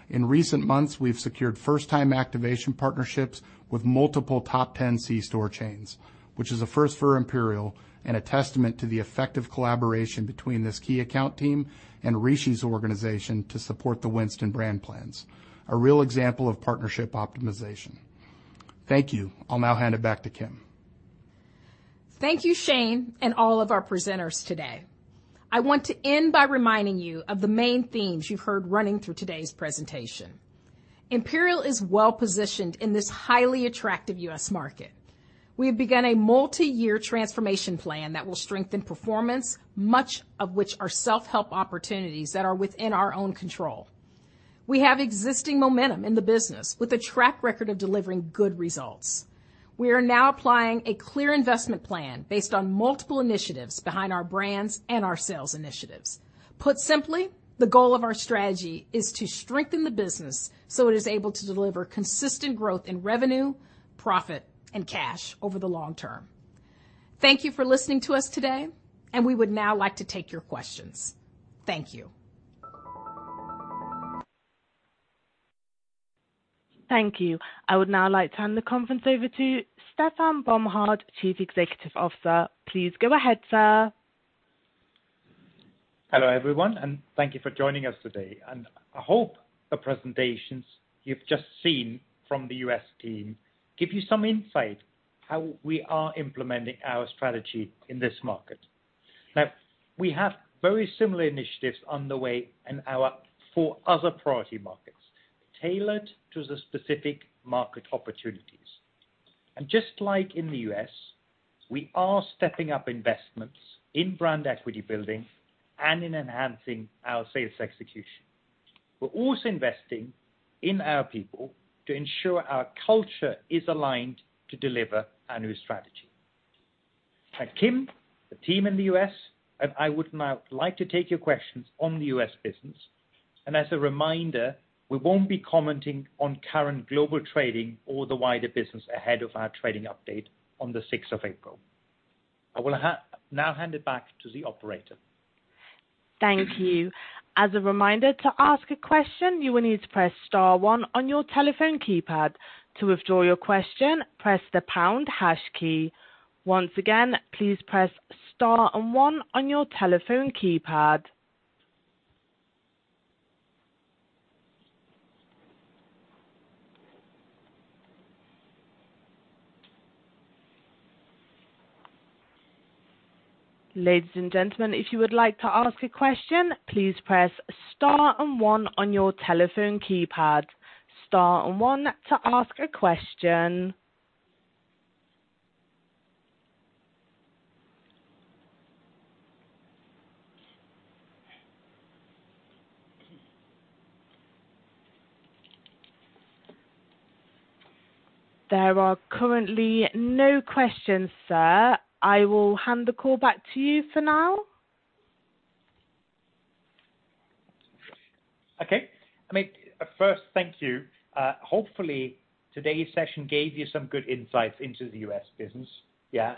In recent months, we've secured first time activation partnerships with multiple top 10 C-store chains, which is a first for Imperial and a testament to the effective collaboration between this key account team and Rishi's organization to support the Winston brand plans. A real example of partnership optimization. Thank you. I'll now hand it back to Kim. Thank you, Shane, and all of our presenters today. I want to end by reminding you of the main themes you've heard running through today's presentation. Imperial is well-positioned in this highly attractive U.S. market. We have begun a multi-year transformation plan that will strengthen performance, much of which are self-help opportunities that are within our own control. We have existing momentum in the business with a track record of delivering good results. We are now applying a clear investment plan based on multiple initiatives behind our brands and our sales initiatives. Put simply, the goal of our strategy is to strengthen the business so it is able to deliver consistent growth in revenue, profit and cash over the long term. Thank you for listening to us today, and we would now like to take your questions. Thank you. Thank you. I would now like to hand the conference over to Stefan Bomhard, Chief Executive Officer. Please go ahead, sir. Hello, everyone, and thank you for joining us today. I hope the presentations you've just seen from the U.S. team give you some insight how we are implementing our strategy in this market. Now, we have very similar initiatives underway in our four other priority markets, tailored to the specific market opportunities. Just like in the U.S., we are stepping up investments in brand equity building and in enhancing our sales execution. We're also investing in our people to ensure our culture is aligned to deliver our new strategy. Kim, the team in the U.S. and I would now like to take your questions on the U.S. business. As a reminder, we won't be commenting on current global trading or the wider business ahead of our trading update on the sixth of April. I will now hand it back to the operator. Thank you. As a reminder, to ask a question, you will need to press star one on your telephone keypad. To withdraw your question, press the pound hash key. Once again, please press star and one on your telephone keypad. Ladies and gentlemen, if you would like to ask a question, please press star and one on your telephone keypad. Star and one to ask a question. There are currently no questions, sir. I will hand the call back to you for now. Okay. I mean, first, thank you. Hopefully today's session gave you some good insights into the U.S. business. Yeah.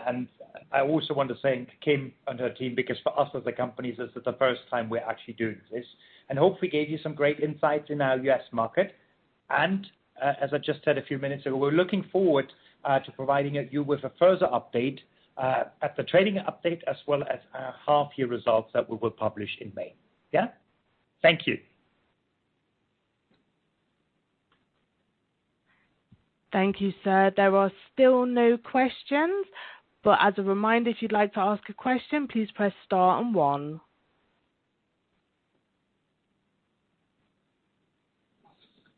I also want to thank Kim and her team, because for us as a company, this is the first time we're actually doing this and hopefully gave you some great insights in our U.S. market. As I just said a few minutes ago, we're looking forward to providing you with a further update at the trading update as well as our half year results that we will publish in May. Yeah. Thank you. Thank you, sir. There are still no questions, but as a reminder, if you'd like to ask a question, please press star and one.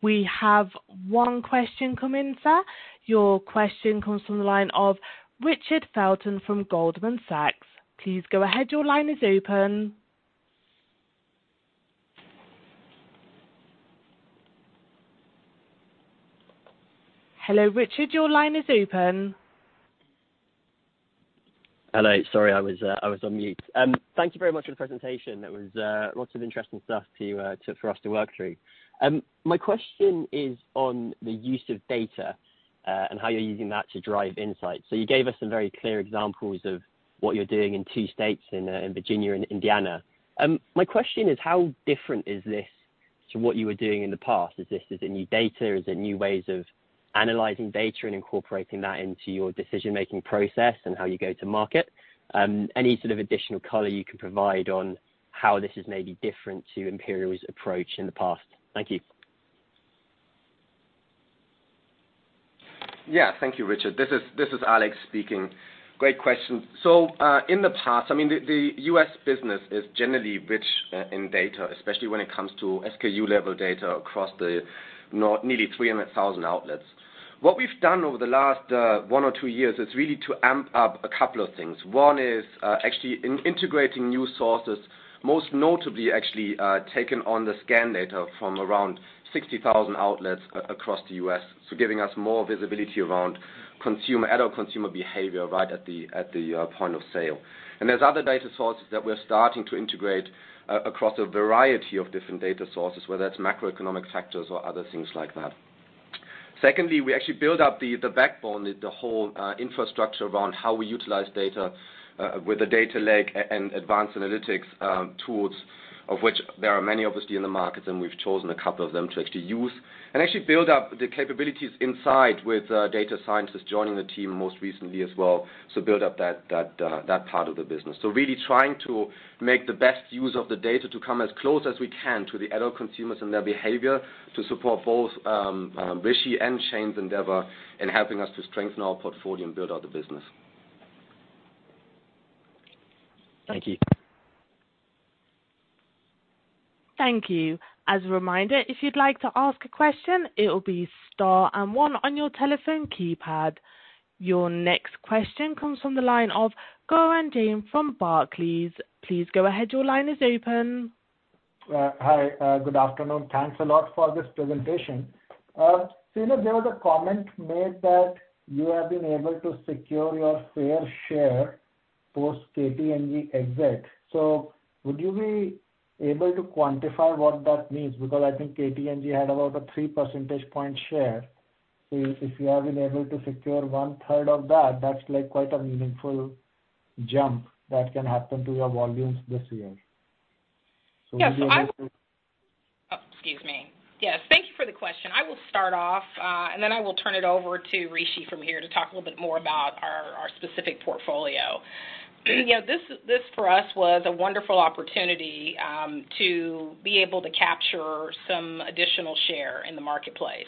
We have one question come in, sir. Your question comes from the line of Richard Felton from Goldman Sachs. Please go ahead. Your line is open. Hello, Richard, your line is open. Hello. Sorry, I was on mute. Thank you very much for the presentation. That was lots of interesting stuff for us to work through. My question is on the use of data and how you're using that to drive insights. You gave us some very clear examples of what you're doing in two states, in Virginia and Indiana. My question is, how different is this to what you were doing in the past? Is this new data? Is it new ways of analyzing data and incorporating that into your decision-making process and how you go to market? Any sort of additional color you can provide on how this is maybe different to Imperial's approach in the past? Thank you. Yeah. Thank you, Richard. This is Alex speaking. Great question. So, in the past, I mean, the U.S. business is generally rich in data, especially when it comes to SKU-level data across nearly 300,000 outlets. What we've done over the last one or two years is really to amp up a couple of things. One is actually integrating new sources, most notably actually taken on the scan data from around 60,000 outlets across the U.S. So giving us more visibility around adult consumer behavior right at the point of sale. There's other data sources that we're starting to integrate across a variety of different data sources, whether it's macroeconomic factors or other things like that. Secondly, we actually build up the backbone, the whole infrastructure around how we utilize data with the data lake and advanced analytics tools of which there are many obviously in the market, and we've chosen a couple of them to actually use and actually build up the capabilities inside with data scientists joining the team most recently as well. Build up that part of the business. Really trying to make the best use of the data to come as close as we can to the adult consumers and their behavior to support both Rishi and Shane's endeavor in helping us to strengthen our portfolio and build out the business. Thank you. Thank you. As a reminder, if you'd like to ask a question, it'll be Star and One on your telephone keypad. Your next question comes from the line of Gaurav Jain from Barclays. Please go ahead. Your line is open. Hi. Good afternoon. Thanks a lot for this presentation. You know, there was a comment made that you have been able to secure your fair share post KT&G exit. Would you be able to quantify what that means? Because I think KT&G had about a 3 percentage point share. If you have been able to secure one-third of that's like quite a meaningful jump that can happen to your volumes this year. Would you be able to- Excuse me. Yes, thank you for the question. I will start off, and then I will turn it over to Rishi from here to talk a little bit more about our specific portfolio. You know, this for us was a wonderful opportunity to be able to capture some additional share in the marketplace.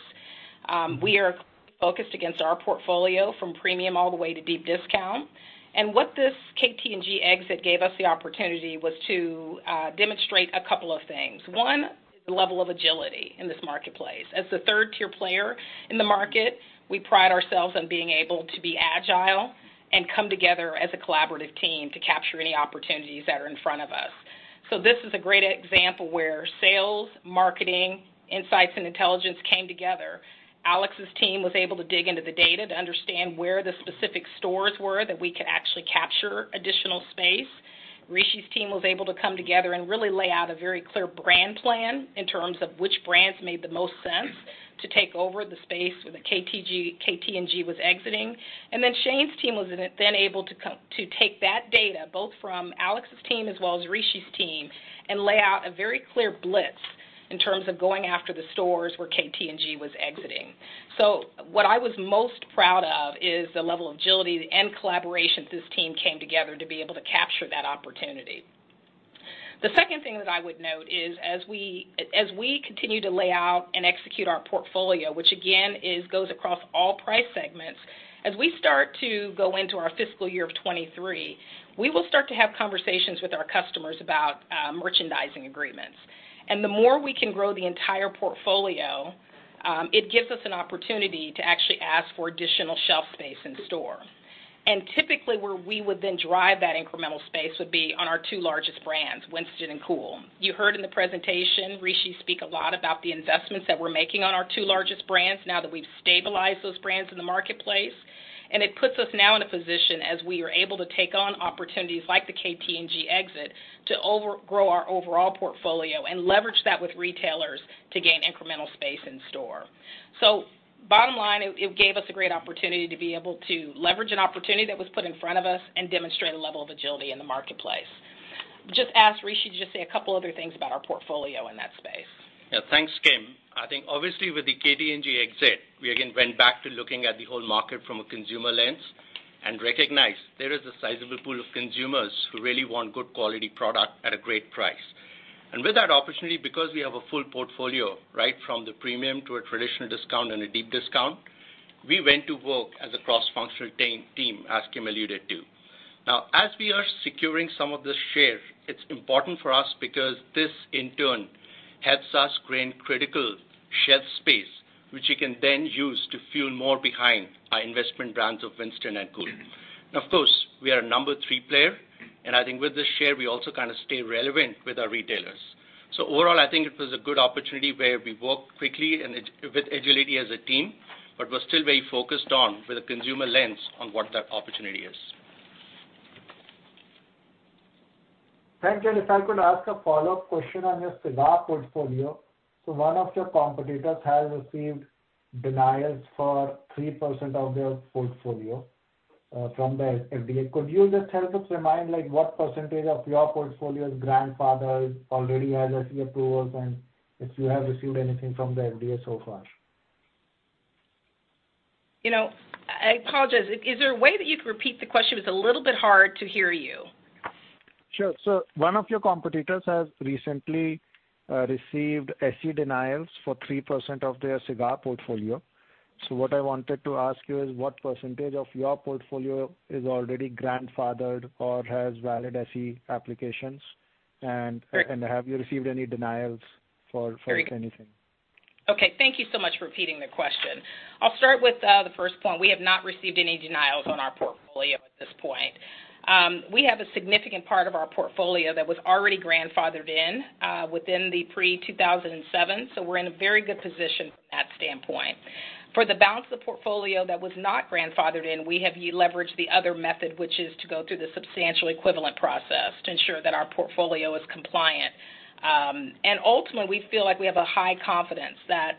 We are focused against our portfolio from premium all the way to deep discount. What this KT&G exit gave us the opportunity was to demonstrate a couple of things. One, the level of agility in this marketplace. As the third-tier player in the market, we pride ourselves on being able to be agile and come together as a collaborative team to capture any opportunities that are in front of us. This is a great example where sales, marketing, insights, and intelligence came together. Alex's team was able to dig into the data to understand where the specific stores were that we could actually capture additional space. Rishi's team was able to come together and really lay out a very clear brand plan in terms of which brands made the most sense to take over the space where the KT&G was exiting. Shane's team was then able to take that data, both from Alex's team as well as Rishi's team, and lay out a very clear blitz in terms of going after the stores where KT&G was exiting. What I was most proud of is the level of agility and collaboration this team came together to be able to capture that opportunity. The second thing that I would note is as we continue to lay out and execute our portfolio, which again goes across all price segments, as we start to go into our fiscal year of 2023, we will start to have conversations with our customers about merchandising agreements. The more we can grow the entire portfolio, it gives us an opportunity to actually ask for additional shelf space in store. Typically, where we would then drive that incremental space would be on our two largest brands, Winston and Kool. You heard in the presentation, Rishi speak a lot about the investments that we're making on our two largest brands now that we've stabilized those brands in the marketplace. It puts us now in a position as we are able to take on opportunities like the KT&G exit to overgrow our overall portfolio and leverage that with retailers to gain incremental space in store. Bottom line, it gave us a great opportunity to be able to leverage an opportunity that was put in front of us and demonstrate a level of agility in the marketplace. Just ask Rishi to just say a couple other things about our portfolio in that space. Yeah, thanks, Kim. I think obviously with the KT&G exit, we again went back to looking at the whole market from a consumer lens and recognized there is a sizable pool of consumers who really want good quality product at a great price. With that opportunity, because we have a full portfolio, right from the premium to a traditional discount and a deep discount, we went to work as a cross-functional team, as Kim alluded to. Now as we are securing some of the share, it's important for us because this in turn helps us gain critical shelf space, which we can then use to fuel more behind our investment brands of Winston and Kool. Now, of course, we are a number three player, and I think with this share, we also kind of stay relevant with our retailers. Overall, I think it was a good opportunity where we worked quickly and with agility as a team, but we're still very focused with a consumer lens on what that opportunity is. Thank you. If I could ask a follow-up question on your cigar portfolio. One of your competitors has received denials for 3% of their portfolio from the FDA. Could you just help us remind what percentage of your portfolio is grandfathered, already has SE approvals, and if you have received anything from the FDA so far? You know, I apologize. Is there a way that you could repeat the question? It's a little bit hard to hear you. Sure. One of your competitors has recently received SE denials for 3% of their cigar portfolio. What I wanted to ask you is what percentage of your portfolio is already grandfathered or has valid SE applications? And have you received any denials for anything? Okay, thank you so much for repeating the question. I'll start with the first point. We have not received any denials on our portfolio at this point. We have a significant part of our portfolio that was already grandfathered in within the pre-2007, so we're in a very good position from that standpoint. For the balance of the portfolio that was not grandfathered in, we have leveraged the other method, which is to go through the substantial equivalent process to ensure that our portfolio is compliant. Ultimately, we feel like we have a high confidence that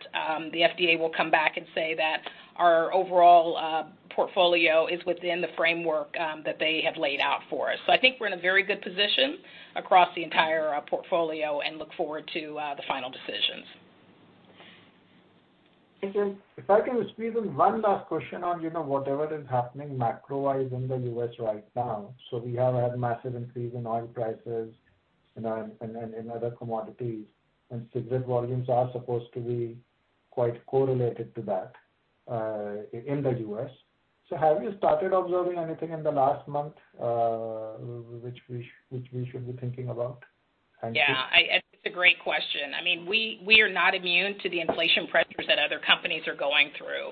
the FDA will come back and say that our overall portfolio is within the framework that they have laid out for us. I think we're in a very good position across the entire portfolio and look forward to the final decisions. Thank you. If I can squeeze in one last question on, you know, whatever is happening macro-wise in the U.S. right now. We have had massive increase in oil prices and in other commodities, and cigarette volumes are supposed to be quite correlated to that, in the U.S. Have you started observing anything in the last month, which we should be thinking about? Yeah, I think it's a great question. I mean, we are not immune to the inflation pressures that other companies are going through.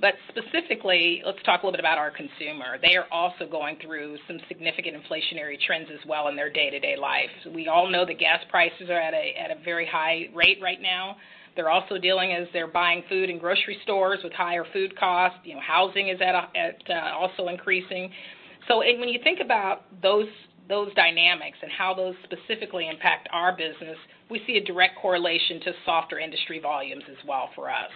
But specifically, let's talk a little bit about our consumer. They are also going through some significant inflationary trends as well in their day-to-day life. We all know that gas prices are at a very high rate right now. They're also dealing, as they're buying food in grocery stores, with higher food costs. You know, housing is also increasing. When you think about those dynamics and how those specifically impact our business, we see a direct correlation to softer industry volumes as well for us.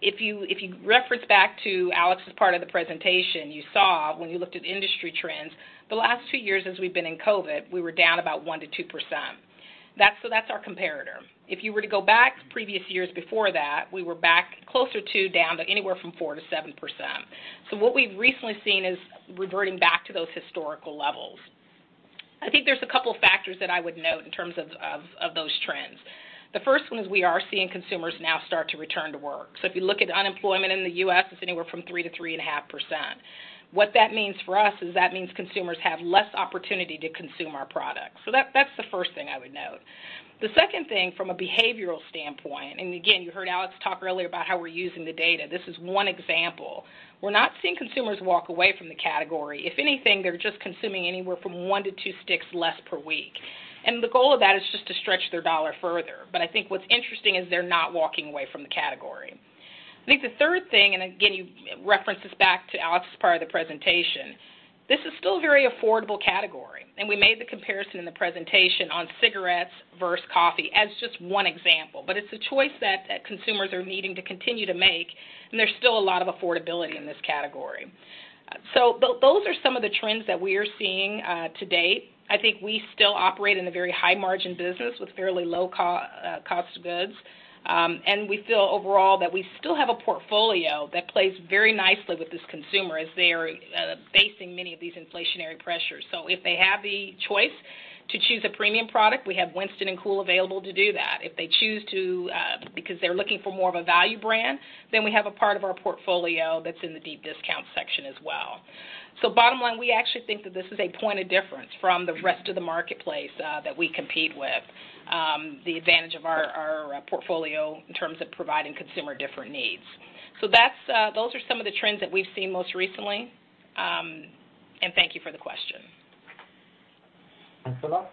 If you reference back to Alex's part of the presentation, you saw when you looked at industry trends, the last two years as we've been in COVID, we were down about 1%-2%. That's our comparator. If you were to go back previous years before that, we were back closer to down to anywhere from 4%-7%. What we've recently seen is reverting back to those historical levels. I think there's a couple factors that I would note in terms of those trends. The first one is we are seeing consumers now start to return to work. If you look at unemployment in the U.S., it's anywhere from 3%-3.5%. What that means for us is consumers have less opportunity to consume our products. That's the first thing I would note. The second thing from a behavioral standpoint, and again, you heard Alex talk earlier about how we're using the data. This is one example. We're not seeing consumers walk away from the category. If anything, they're just consuming anywhere from one to two sticks less per week. The goal of that is just to stretch their dollar further. I think what's interesting is they're not walking away from the category. I think the third thing, and again, you reference this back to Alex's part of the presentation, this is still a very affordable category, and we made the comparison in the presentation on cigarettes versus coffee as just one example. It's a choice that consumers are needing to continue to make, and there's still a lot of affordability in this category. Those are some of the trends that we are seeing to date. I think we still operate in a very high margin business with fairly low cost of goods. We feel overall that we still have a portfolio that plays very nicely with this consumer as they are facing many of these inflationary pressures. If they have the choice to choose a premium product, we have Winston and Kool available to do that. If they choose to because they're looking for more of a value brand, then we have a part of our portfolio that's in the deep discount section as well. Bottom line, we actually think that this is a point of difference from the rest of the marketplace that we compete with, the advantage of our portfolio in terms of providing consumer different needs. That's, those are some of the trends that we've seen most recently. Thank you for the question. Thanks a lot.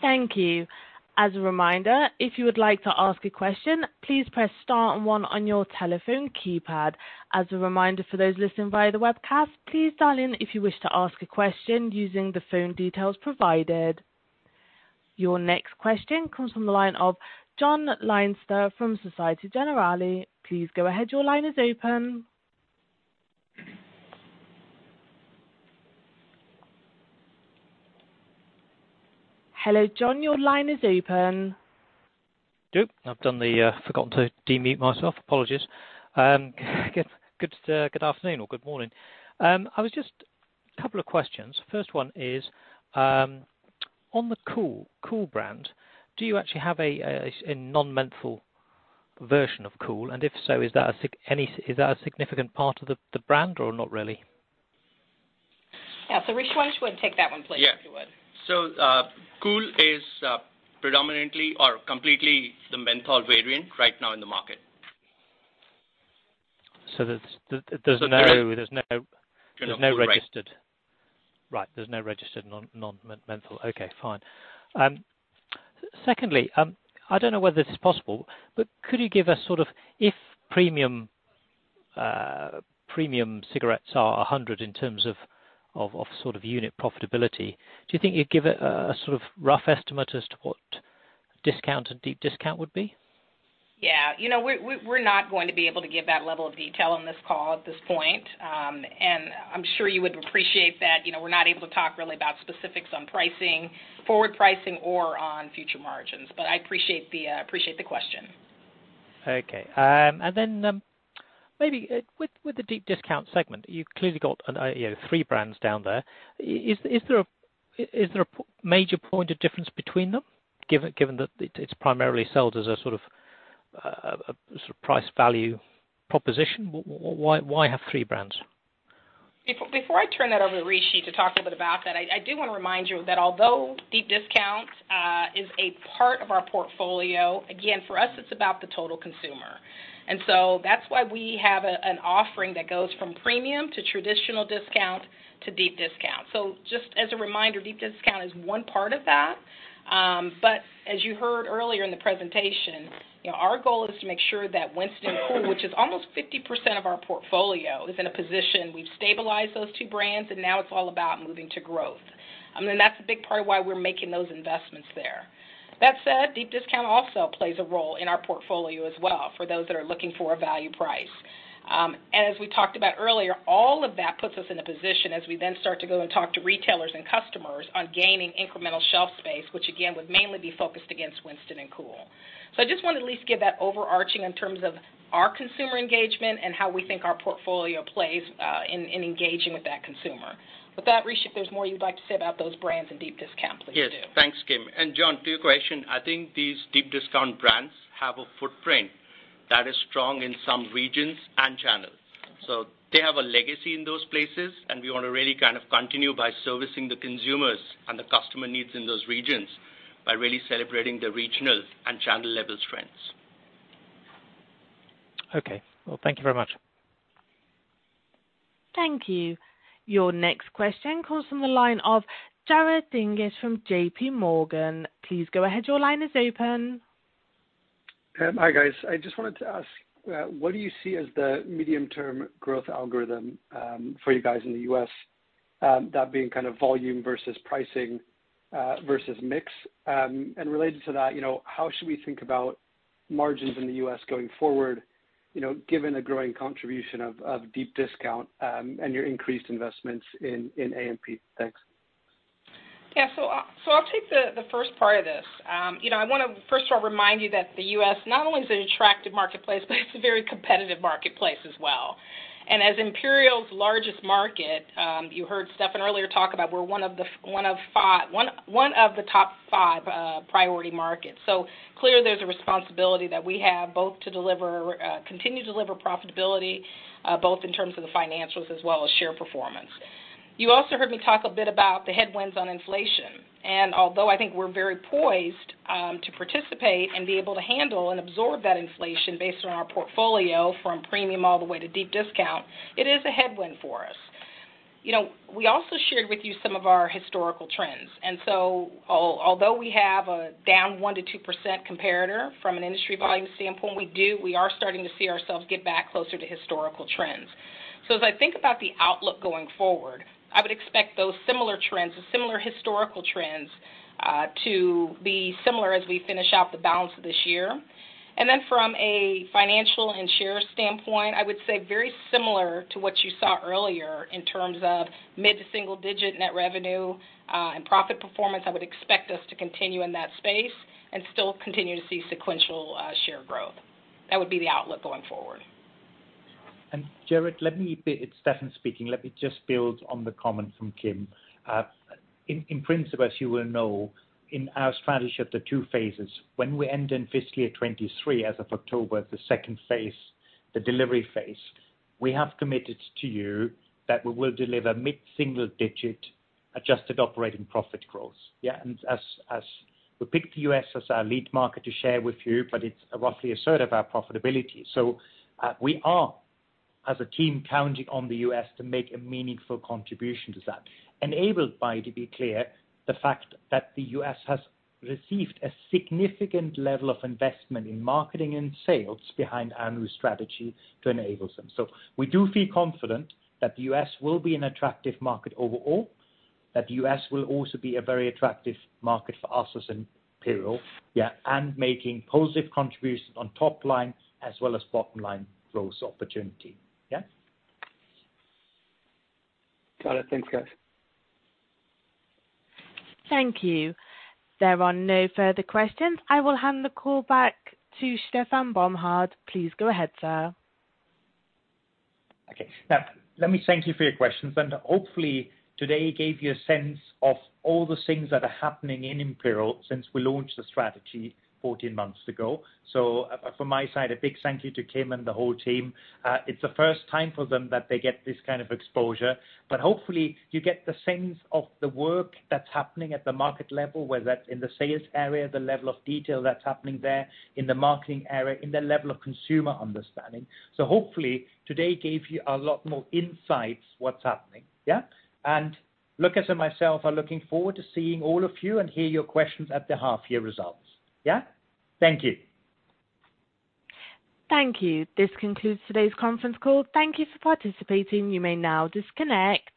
Thank you. As a reminder, if you would like to ask a question, please press star and one on your telephone keypad. As a reminder for those listening via the webcast, please dial in if you wish to ask a question using the phone details provided. Your next question comes from the line of Jonathan Leinster from Société Générale. Please go ahead. Your line is open. Hello, John, your line is open. I've forgotten to unmute myself. Apologies. Good afternoon or good morning. Couple of questions. First one is on the Kool brand, do you actually have a non-menthol version of Kool? And if so, is that a significant part of the brand or not really? Yeah. Rishi, why don't you go and take that one, please, if you would. Yeah. Kool is predominantly or completely the menthol variant right now in the market. There's no... There's no- There's no registered. Right. Right. There's no registered non-menthol. Okay, fine. Secondly, I don't know whether this is possible, but could you give a sort of, if premium cigarettes are 100 in terms of sort of unit profitability, do you think you'd give a sort of rough estimate as to what discount or deep discount would be? Yeah. You know, we're not going to be able to give that level of detail on this call at this point. I'm sure you would appreciate that, you know, we're not able to talk really about specifics on pricing, forward pricing or on future margins. I appreciate the question. Okay, maybe with the deep discount segment, you've clearly got you know three brands down there. Is there a major point of difference between them given that it's primarily sold as a sort of price value proposition? Why have three brands? Before I turn that over to Rishi to talk a little bit about that, I do wanna remind you that although deep discounts is a part of our portfolio, again, for us, it's about the total consumer. That's why we have an offering that goes from premium to traditional discount to deep discount. Just as a reminder, deep discount is one part of that. But as you heard earlier in the presentation, you know, our goal is to make sure that Winston, Kool, which is almost 50% of our portfolio, is in a position. We've stabilized those two brands, and now it's all about moving to growth. I mean, that's a big part of why we're making those investments there. That said, deep discount also plays a role in our portfolio as well for those that are looking for a value price. As we talked about earlier, all of that puts us in a position as we then start to go and talk to retailers and customers on gaining incremental shelf space, which again, would mainly be focused against Winston and Kool. I just want to at least give that overarching in terms of our consumer engagement and how we think our portfolio plays in engaging with that consumer. With that, Rishi, if there's more you'd like to say about those brands and deep discount, please do. Yes. Thanks, Kim. John, to your question, I think these deep discount brands have a footprint that is strong in some regions and channels. They have a legacy in those places, and we want to really kind of continue by servicing the consumers and the customer needs in those regions by really celebrating the regional and channel-level strengths. Okay. Well, thank you very much. Thank you. Your next question comes from the line of Jared Dinges from JPMorgan. Please go ahead. Your line is open. Hi, guys. I just wanted to ask, what do you see as the medium-term growth algorithm, for you guys in the U.S., that being kind of volume versus pricing, versus mix? Related to that, you know, how should we think about margins in the U.S. going forward, you know, given a growing contribution of deep discount, and your increased investments in A&P? Thanks. I'll take the first part of this. You know, I wanna first of all remind you that the U.S. not only is an attractive marketplace, but it's a very competitive marketplace as well. As Imperial's largest market, you heard Stefan earlier talk about we're one of the top five priority markets. Clearly, there's a responsibility that we have both to deliver, continue to deliver profitability, both in terms of the financials as well as share performance. You also heard me talk a bit about the headwinds on inflation. Although I think we're very poised to participate and be able to handle and absorb that inflation based on our portfolio from premium all the way to deep discount, it is a headwind for us. You know, we also shared with you some of our historical trends. Although we have a down 1%-2% comparator from an industry volume standpoint, we are starting to see ourselves get back closer to historical trends. As I think about the outlook going forward, I would expect those similar trends or similar historical trends to be similar as we finish out the balance of this year. From a financial and share standpoint, I would say very similar to what you saw earlier in terms of mid- to single-digit net revenue and profit performance. I would expect us to continue in that space and still continue to see sequential share growth. That would be the outlook going forward. Jared, it's Stefan speaking. Let me just build on the comment from Kim. In principle, as you will know, in our strategy of the two phases, when we end in fiscal year 2023 as of October, the second phase, the delivery phase, we have committed to you that we will deliver mid-single-digit adjusted operating profit growth. As we picked the U.S. as our lead market to share with you, but it's roughly a third of our profitability. We are, as a team, counting on the U.S. to make a meaningful contribution to that, enabled by, to be clear, the fact that the U.S. has received a significant level of investment in marketing and sales behind our new strategy to enable them. We do feel confident that the U.S. will be an attractive market overall, that the U.S. will also be a very attractive market for us as Imperial, yeah, and making positive contributions on top line as well as bottom line growth opportunity. Yeah? Got it. Thanks, guys. Thank you. There are no further questions. I will hand the call back to Stefan Bomhard. Please go ahead, sir. Okay. Now, let me thank you for your questions, and hopefully today gave you a sense of all the things that are happening in Imperial since we launched the strategy 14 months ago. From my side, a big thank you to Kim and the whole team. It's the first time for them that they get this kind of exposure, but hopefully you get the sense of the work that's happening at the market level, whether that's in the sales area, the level of detail that's happening there, in the marketing area, in the level of consumer understanding. Hopefully today gave you a lot more insight into what's happening. Yeah? Lukas and myself are looking forward to seeing all of you and hear your questions at the half year results. Yeah? Thank you. Thank you. This concludes today's conference call. Thank you for participating. You may now disconnect.